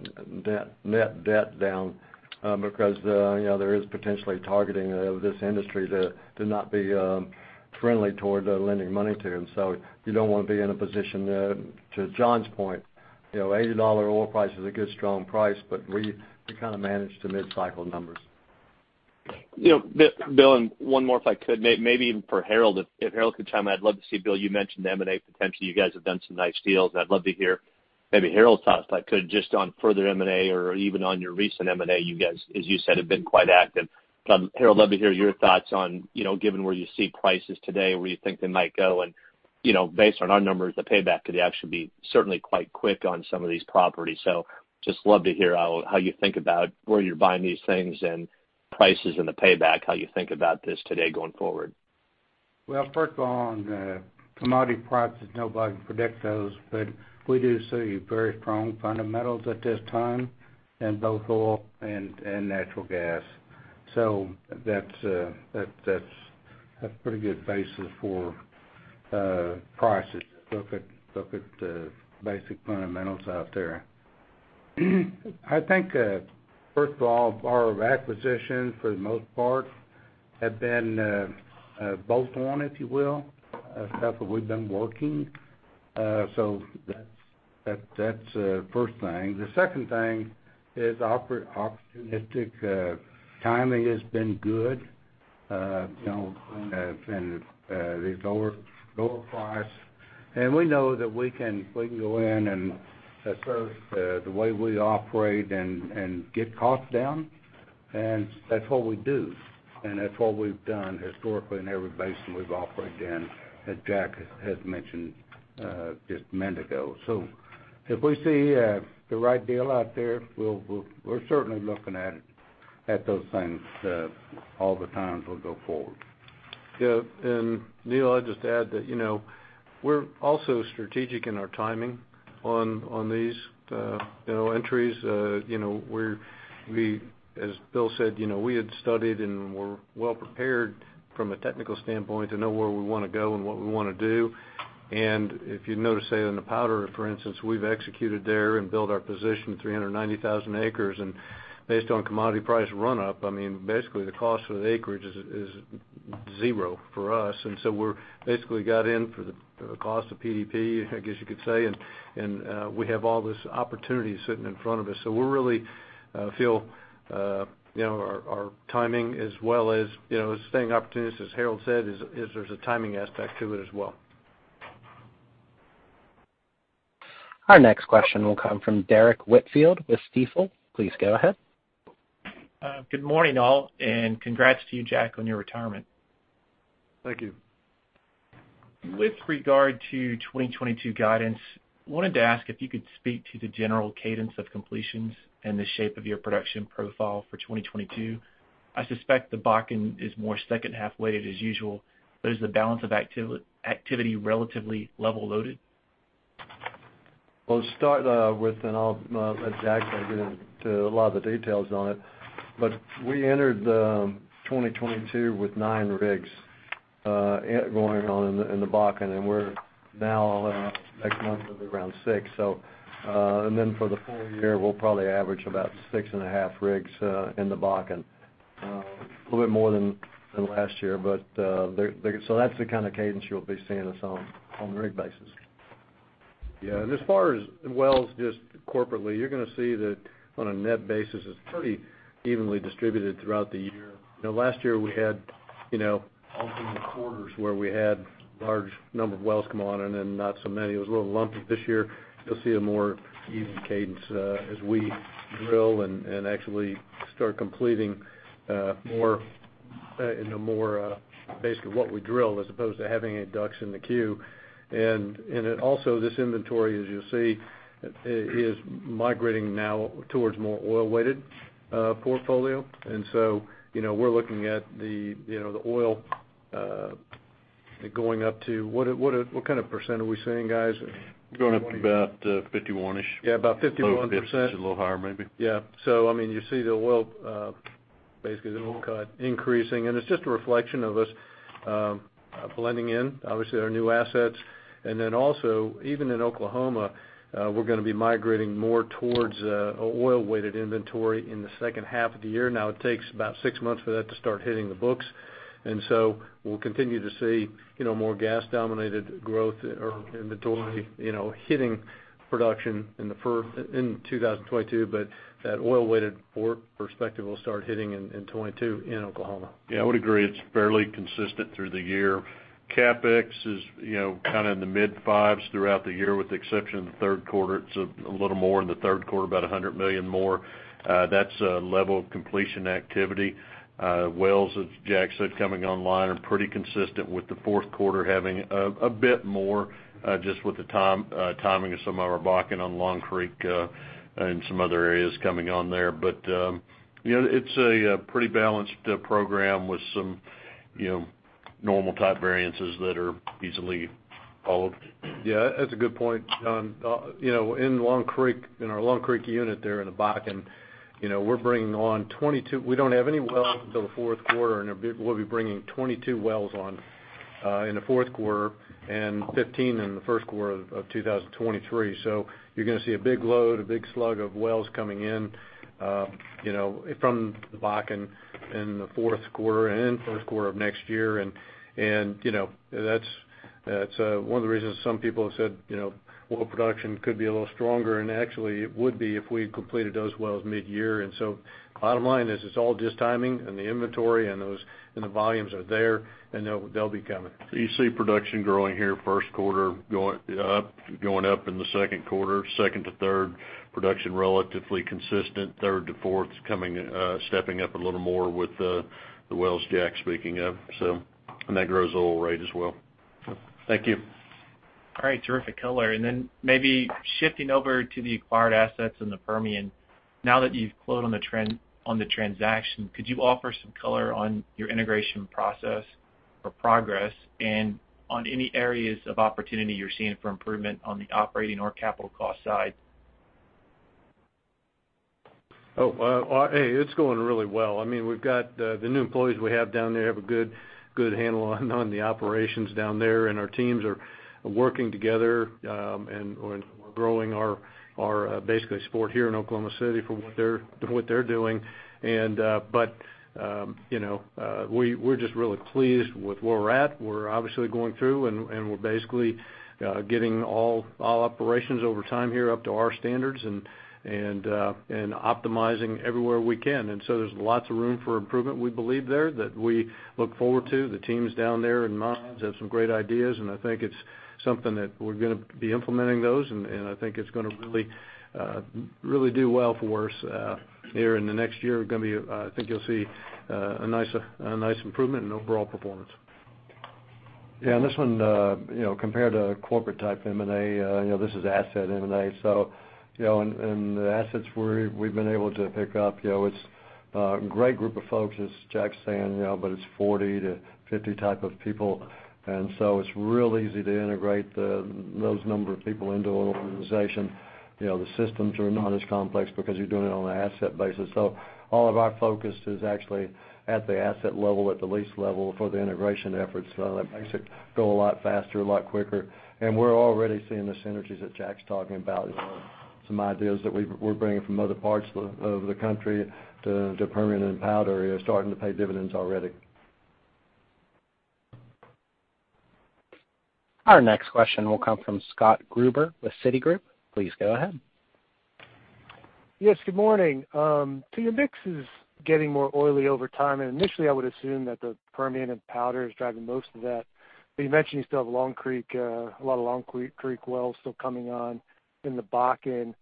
net debt down because you know there is potentially targeting of this industry to not be friendly toward lending money to. You don't wanna be in a position to John's point. You know $80 oil price is a good strong price but we kinda manage to mid-cycle numbers. You know, Bill, and one more if I could, maybe even for Harold, if Harold could chime in. I'd love to see, Bill, you mentioned M&A, potentially you guys have done some nice deals. I'd love to hear maybe Harold's thoughts, if I could, just on further M&A or even on your recent M&A. You guys, as you said, have been quite active. Harold, love to hear your thoughts on, you know, given where you see prices today, where you think they might go. You know, based on our numbers, the payback could actually be certainly quite quick on some of these properties. Just love to hear how you think about where you're buying these things and prices and the payback, how you think about this today going forward. Well, first of all, on the commodity prices, nobody can predict those, but we do see very strong fundamentals at this time in both oil and natural gas. That's a pretty good basis for prices. Look at the basic fundamentals out there. I think first of all, our acquisitions, for the most part, have been bolt-on, if you will, stuff that we've been working. So that's the first thing. The second thing is opportunistic timing has been good, you know, and these lower prices. We know that we can go in and assert the way we operate and get costs down, and that's what we do. That's what we've done historically in every basin we've operated in, as Jack has mentioned just a minute ago. If we see the right deal out there, we'll certainly looking at it, at those things all the time as we go forward. Yeah. Neal, I'll just add that, you know, we're also strategic in our timing on these, you know, entries. You know, we're, as Bill said, you know, we had studied and we're well prepared from a technical standpoint to know where we wanna go and what we wanna do. If you notice, say in the Powder, for instance, we've executed there and built our position, 390,000 acres. Based on commodity price run up, I mean, basically, the cost of the acreage is zero for us. We're basically got in for the cost of PDP, I guess you could say. We have all this opportunity sitting in front of us. We really feel, you know, our timing as well as, you know, staying opportunistic, as Harold said, is there's a timing aspect to it as well. Our next question will come from Derrick Whitfield with Stifel. Please go ahead. Good morning, all, and congrats to you, Jack, on your retirement. Thank you. With regard to 2022 guidance, I wanted to ask if you could speak to the general cadence of completions and the shape of your production profile for 2022. I suspect the Bakken is more second half weighted as usual, but is the balance of activity relatively level loaded? I'll let Jack get into a lot of the details on it. We entered 2022 with nine rigs going on in the Bakken, and next month will be around six. For the full year, we'll probably average about 6.5 rigs in the Bakken, a little bit more than last year. That's the kind of cadence you'll be seeing us on a rig basis. Yeah. As far as wells, just corporately, you're gonna see that on a net basis, it's pretty evenly distributed throughout the year. You know, last year, we had, you know, all three quarters where we had large number of wells come on and then not so many. It was a little lumpy. This year, you'll see a more even cadence, as we drill and actually start completing more, you know, basically what we drill as opposed to having any DUCs in the queue. Then also, this inventory, as you'll see, is migrating now towards more oil-weighted portfolio. You know, we're looking at the, you know, the oil going up to. What kind of percen are we seeing, guys? Going up to about 51-ish. Yeah, about 51%. A little bit, a little higher maybe. Yeah. I mean, you see the oil basically the oil cut increasing, and it's just a reflection of us blending in, obviously, our new assets. Also, even in Oklahoma, we're gonna be migrating more towards oil-weighted inventory in the second half of the year. It takes about six months for that to start hitting the books. We'll continue to see, you know, more gas-dominated growth or inventory, you know, hitting production in 2022, but that oil-weighted footprint will start hitting in 2022 in Oklahoma. Yeah, I would agree. It's fairly consistent through the year. CapEx is, you know, kinda in the mid fives throughout the year with the exception of the third quarter. It's a little more in the third quarter, about $100 million more. That's a level of completion activity. Wells, as Jack said, coming online are pretty consistent with the fourth quarter having a bit more, just with the timing of some of our Bakken on Long Creek, and some other areas coming on there. You know, it's a pretty balanced program with some, you know, normal type variances that are easily followed. Yeah, that's a good point. You know, in Long Creek, in our Long Creek unit there in the Bakken, you know, we're bringing on 22. We don't have any wells until the fourth quarter, and we'll be bringing 22 wells on in the fourth quarter and 15 in the first quarter of 2023. So you're gonna see a big load, a big slug of wells coming in, you know, from the Bakken in the fourth quarter and first quarter of next year. You know, that's one of the reasons some people have said, you know, oil production could be a little stronger, and actually it would be if we had completed those wells midyear. Bottom line is it's all just timing and the inventory, and those, and the volumes are there, and they'll be coming. You see production growing here first quarter going up in the second quarter. Second to third, production relatively consistent. Third to fourth's coming, stepping up a little more with the wells Jack's speaking of. That grows the oil rate as well. Thank you. All right. Terrific color. Maybe shifting over to the acquired assets in the Permian. Now that you've closed on the transaction, could you offer some color on your integration process or progress and on any areas of opportunity you're seeing for improvement on the operating or capital cost side? It's going really well. I mean, we've got the new employees we have down there have a good handle on the operations down there, and our teams are working together, and we're growing our basically support here in Oklahoma City for what they're doing. But you know, we're just really pleased with where we're at. We're obviously going through, and we're basically getting all operations over time here up to our standards and optimizing everywhere we can. There's lots of room for improvement we believe there that we look forward to. The teams down there in Monahans have some great ideas, and I think it's something that we're gonna be implementing those. I think it's gonna really do well for us here in the next year. I think you'll see a nice improvement in overall performance. Yeah. This one, you know, compared to corporate type M&A, you know, this is asset M&A. The assets we've been able to pick up, you know, it's a great group of folks, as Jack's saying, you know, but it's 40-50 type of people. It's real easy to integrate those number of people into an organization. You know, the systems are not as complex because you're doing it on an asset basis. All of our focus is actually at the asset level, at the lease level for the integration efforts. That makes it go a lot faster, a lot quicker. We're already seeing the synergies that Jack's talking about as well. Some ideas that we're bringing from other parts of the country to Permian and Powder are starting to pay dividends already. Our next question will come from Scott Gruber with Citigroup. Please go ahead. Yes, good morning. Your mix is getting more oily over time, and initially I would assume that the Permian and Powder is driving most of that. You mentioned you still have Long Creek, a lot of Long Creek wells still coming on in the Bakken.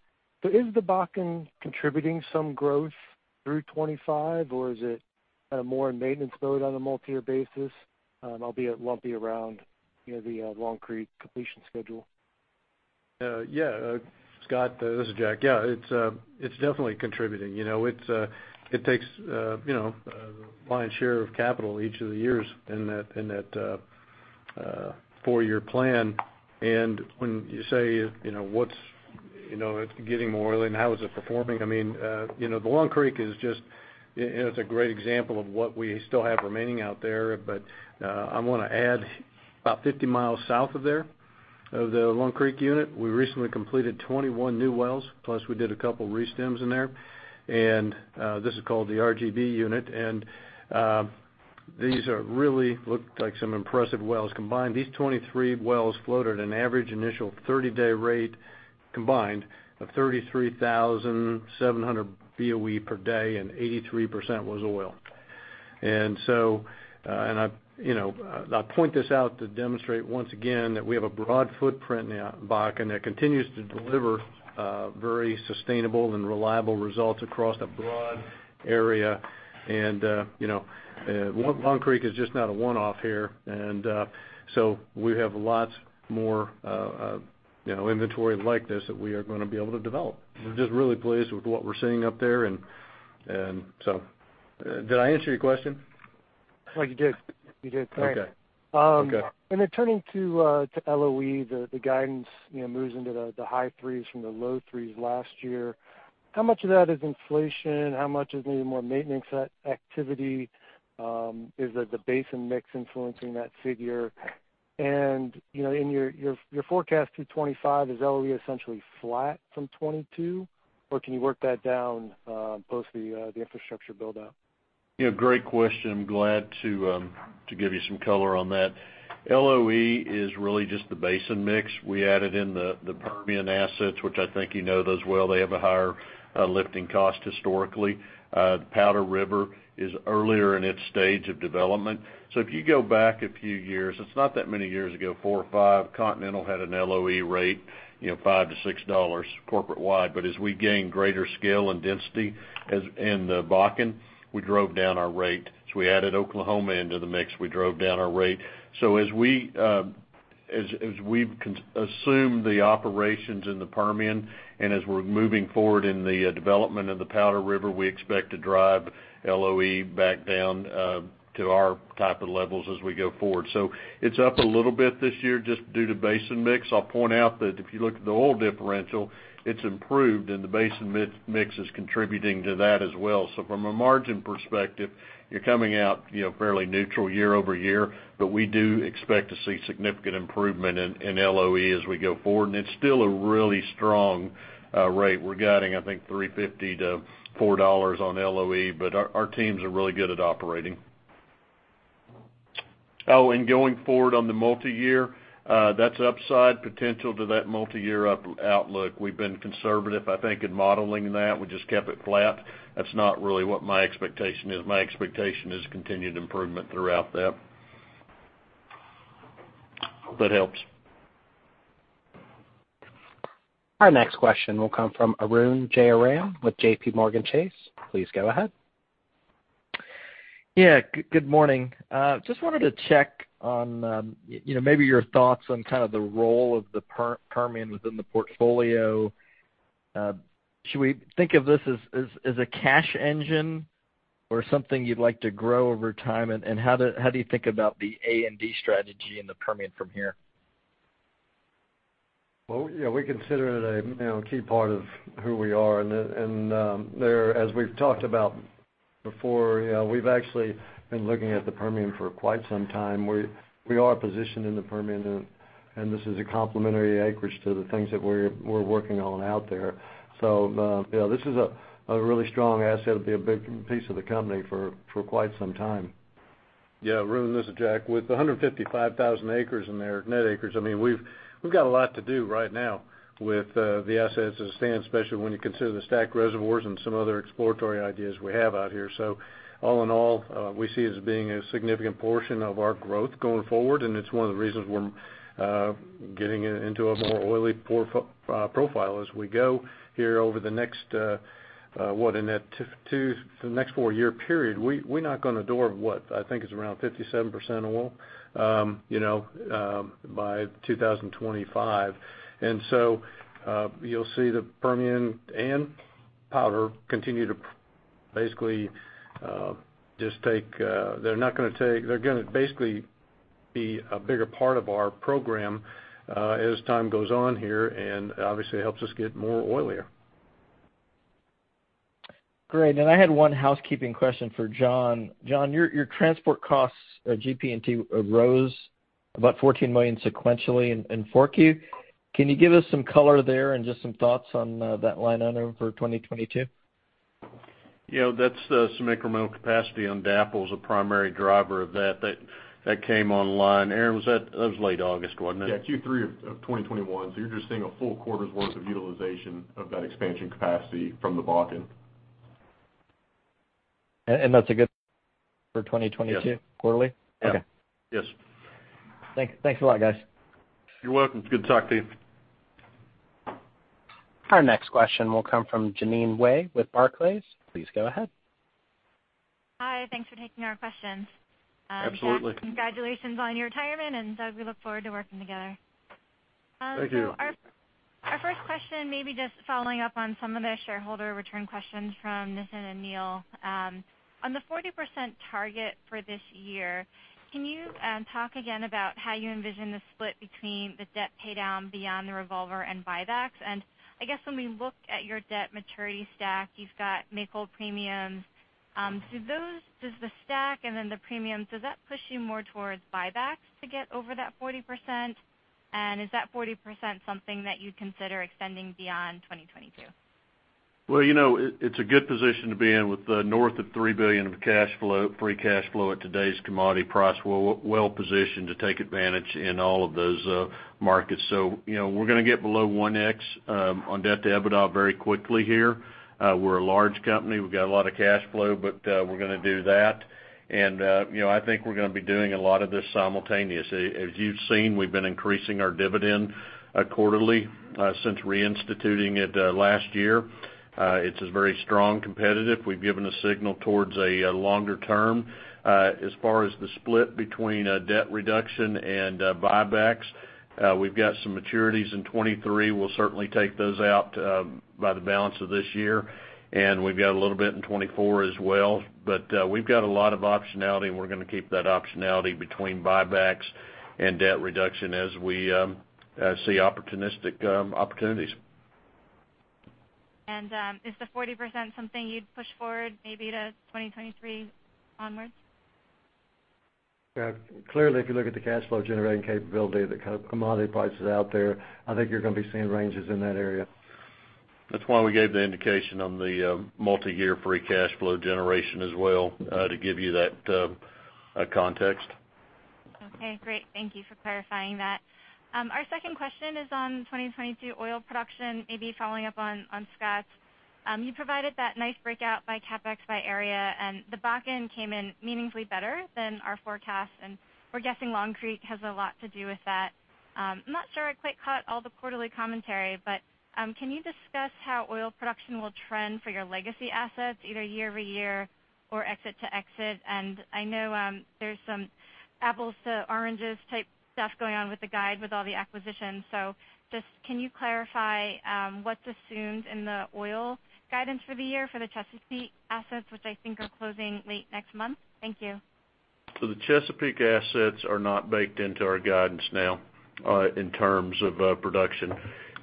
Is the Bakken contributing some growth through 2025, or is it more in maintenance mode on a multiyear basis, albeit lumpy around, you know, the Long Creek completion schedule. Scott, this is Jack. Yeah. It's definitely contributing. You know, it takes you know lion's share of capital each of the years in that four-year plan. When you say, you know, what's getting more oil and how is it performing? I mean, you know, the Long Creek is just, you know, it's a great example of what we still have remaining out there. I wanna add about 50 miles south of there, of the Long Creek unit, we recently completed 21 new wells, plus we did a couple re-stims in there. This is called the RGB unit. These really look like some impressive wells. Combined, these 23 wells posted an average initial 30-day rate combined of 33,700 BOE per day, and 83% was oil. I point this out to demonstrate once again that we have a broad footprint in the Bakken that continues to deliver very sustainable and reliable results across a broad area. Long Creek is just not a one-off here. We have lots more inventory like this that we are gonna be able to develop. We're just really pleased with what we're seeing up there. Did I answer your question? Oh, you did. Thanks. Okay. Okay. Turning to LOE, the guidance, you know, moves into the high threes from the low threes last year. How much of that is inflation? How much is maybe more maintenance activity? Is, like, the basin mix influencing that figure? You know, in your forecast through 2025, is LOE essentially flat from 2022, or can you work that down post the infrastructure build-out? Yeah, great question. I'm glad to give you some color on that. LOE is really just the basin mix. We added in the Permian assets, which I think you know those wells. They have a higher lifting cost historically. The Powder River is earlier in its stage of development. If you go back a few years, it's not that many years ago, four or five, Continental had an LOE rate, you know, $5-$6 corporate-wide. As we gained greater scale and density as in the Bakken, we drove down our rate. As we added Oklahoma into the mix, we drove down our rate. As we've assumed the operations in the Permian and as we're moving forward in the development of the Powder River, we expect to drive LOE back down to our type of levels as we go forward. It's up a little bit this year just due to basin mix. I'll point out that if you look at the oil differential, it's improved, and the basin mix is contributing to that as well. From a margin perspective, you're coming out, you know, fairly neutral year-over-year, but we do expect to see significant improvement in LOE as we go forward. It's still a really strong rate. We're guiding, I think, $3.50-$4 on LOE, but our teams are really good at operating. Oh, going forward on the multi-year, that's upside potential to that multi-year outlook. We've been conservative, I think, in modeling that. We just kept it flat. That's not really what my expectation is. My expectation is continued improvement throughout that. Hope that helps. Our next question will come from Arun Jayaram with JPMorgan Chase. Please go ahead. Yeah. Good morning. Just wanted to check on, you know, maybe your thoughts on kind of the role of the Permian within the portfolio. Should we think of this as a cash engine or something you'd like to grow over time? How do you think about the A&D strategy in the Permian from here? Well, you know, we consider it a key part of who we are. As we've talked about before, you know, we've actually been looking at the Permian for quite some time. We are positioned in the Permian, and this is a complementary acreage to the things that we're working on out there. You know, this is a really strong asset. It'll be a big piece of the company for quite some time. Yeah, Arun, this is Jack. With 155,000 acres in there, net acres, I mean, we've got a lot to do right now with the assets as it stands, especially when you consider the stack reservoirs and some other exploratory ideas we have out here. All in all, we see it as being a significant portion of our growth going forward, and it's one of the reasons we're getting into a more oily profile as we go here over the next two to next four-year period. We knock on the door of around 57% oil, you know, by 2025. You'll see the Permian and Powder continue to basically be a bigger part of our program as time goes on here, and obviously helps us get more oily. Great. I had one housekeeping question for John. John, your transport costs at GP&T rose about $14 million sequentially in 4Q. Can you give us some color there and just some thoughts on that line item for 2022? You know, that's some incremental capacity on DAPL is the primary driver of that. That came online. Aaron, that was late August, wasn't it? Yeah, Q3 of 2021. You're just seeing a full quarter's worth of utilization of that expansion capacity from the Bakken. That's a good for 2022. Yes. Quarterly? Yeah. Okay. Yes. Thanks a lot, guys. You're welcome. It's good to talk to you. Our next question will come from Jeanine Wai with Barclays. Please go ahead. Hi. Thanks for taking our questions. Absolutely. Jack, congratulations on your retirement. Doug, we look forward to working together. Thank you. Our first question may be just following up on some of the shareholder return questions from Nitin and Neal. On the 40% target for this year, can you talk again about how you envision the split between the debt paydown beyond the revolver and buybacks? I guess when we look at your debt maturity stack, you've got make-whole premiums. Does the stack and then the premium, does that push you more towards buybacks to get over that 40%? Is that 40% something that you'd consider extending beyond 2022? Well, you know, it's a good position to be in with north of $3 billion of free cash flow at today's commodity price. We're well-positioned to take advantage in all of those markets. You know, we're gonna get below 1x on debt to EBITDA very quickly here. We're a large company, we've got a lot of cash flow, but we're gonna do that. You know, I think we're gonna be doing a lot of this simultaneously. As you've seen, we've been increasing our dividend quarterly since reinstituting it last year. It's a very strong commitment. We've given a signal towards a longer term. As far as the split between debt reduction and buybacks, we've got some maturities in 2023. We'll certainly take those out by the balance of this year, and we've got a little bit in 2024 as well. We've got a lot of optionality, and we're gonna keep that optionality between buybacks and debt reduction as we see opportunistic opportunities. Is the 40% something you'd push forward maybe to 2023 onwards? Yeah. Clearly, if you look at the cash flow generating capability, the commodity prices out there, I think you're gonna be seeing ranges in that area. That's why we gave the indication on the multiyear free cash flow generation as well, to give you that context. Okay. Great. Thank you for clarifying that. Our second question is on 2022 oil production, maybe following up on Scott's. You provided that nice breakout by CapEx by area, and the back end came in meaningfully better than our forecast, and we're guessing Long Creek has a lot to do with that. I'm not sure I quite caught all the quarterly commentary, but can you discuss how oil production will trend for your legacy assets either year-over-year or exit-to-exit? I know there's some apples to oranges type stuff going on with the guide with all the acquisitions. Just can you clarify what's assumed in the oil guidance for the year for the Chesapeake assets, which I think are closing late next month? Thank you. The Chesapeake assets are not baked into our guidance now, in terms of production.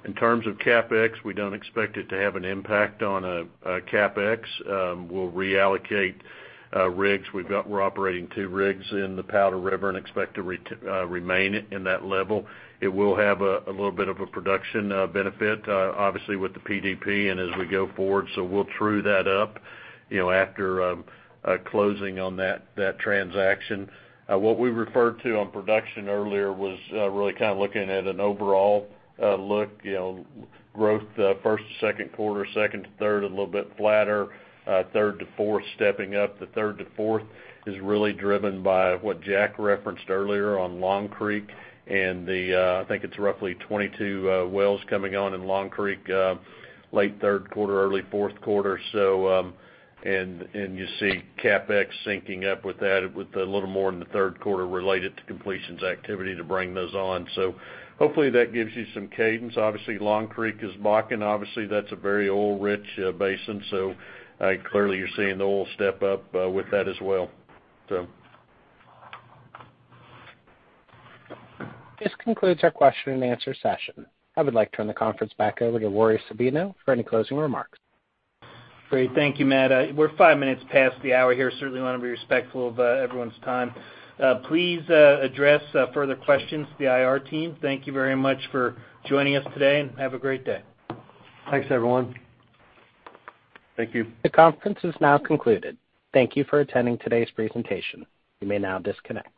In terms of CapEx, we don't expect it to have an impact on CapEx. We'll reallocate rigs. We're operating two rigs in the Powder River and expect to remain in that level. It will have a little bit of a production benefit, obviously with the PDP and as we go forward. We'll true that up, you know, after closing on that transaction. What we referred to on production earlier was really kind of looking at an overall look, you know, growth first to second quarter, second to third, a little bit flatter, third to fourth, stepping up. The third to fourth is really driven by what Jack referenced earlier on Long Creek and the I think it's roughly 22 wells coming on in Long Creek late third quarter, early fourth quarter. And you see CapEx syncing up with that with a little more in the third quarter related to completions activity to bring those on. Hopefully, that gives you some cadence. Obviously, Long Creek is Bakken. Obviously, that's a very oil-rich basin, so clearly, you're seeing the oil step up with that as well. So. This concludes our question and answer session. I would like to turn the conference back over to Rory Sabino for any closing remarks. Great. Thank you, Matt. We're five minutes past the hour here. Certainly wanna be respectful of everyone's time. Please address further questions to the IR team. Thank you very much for joining us today, and have a great day. Thanks, everyone. Thank you. The conference is now concluded. Thank you for attending today's presentation. You may now disconnect.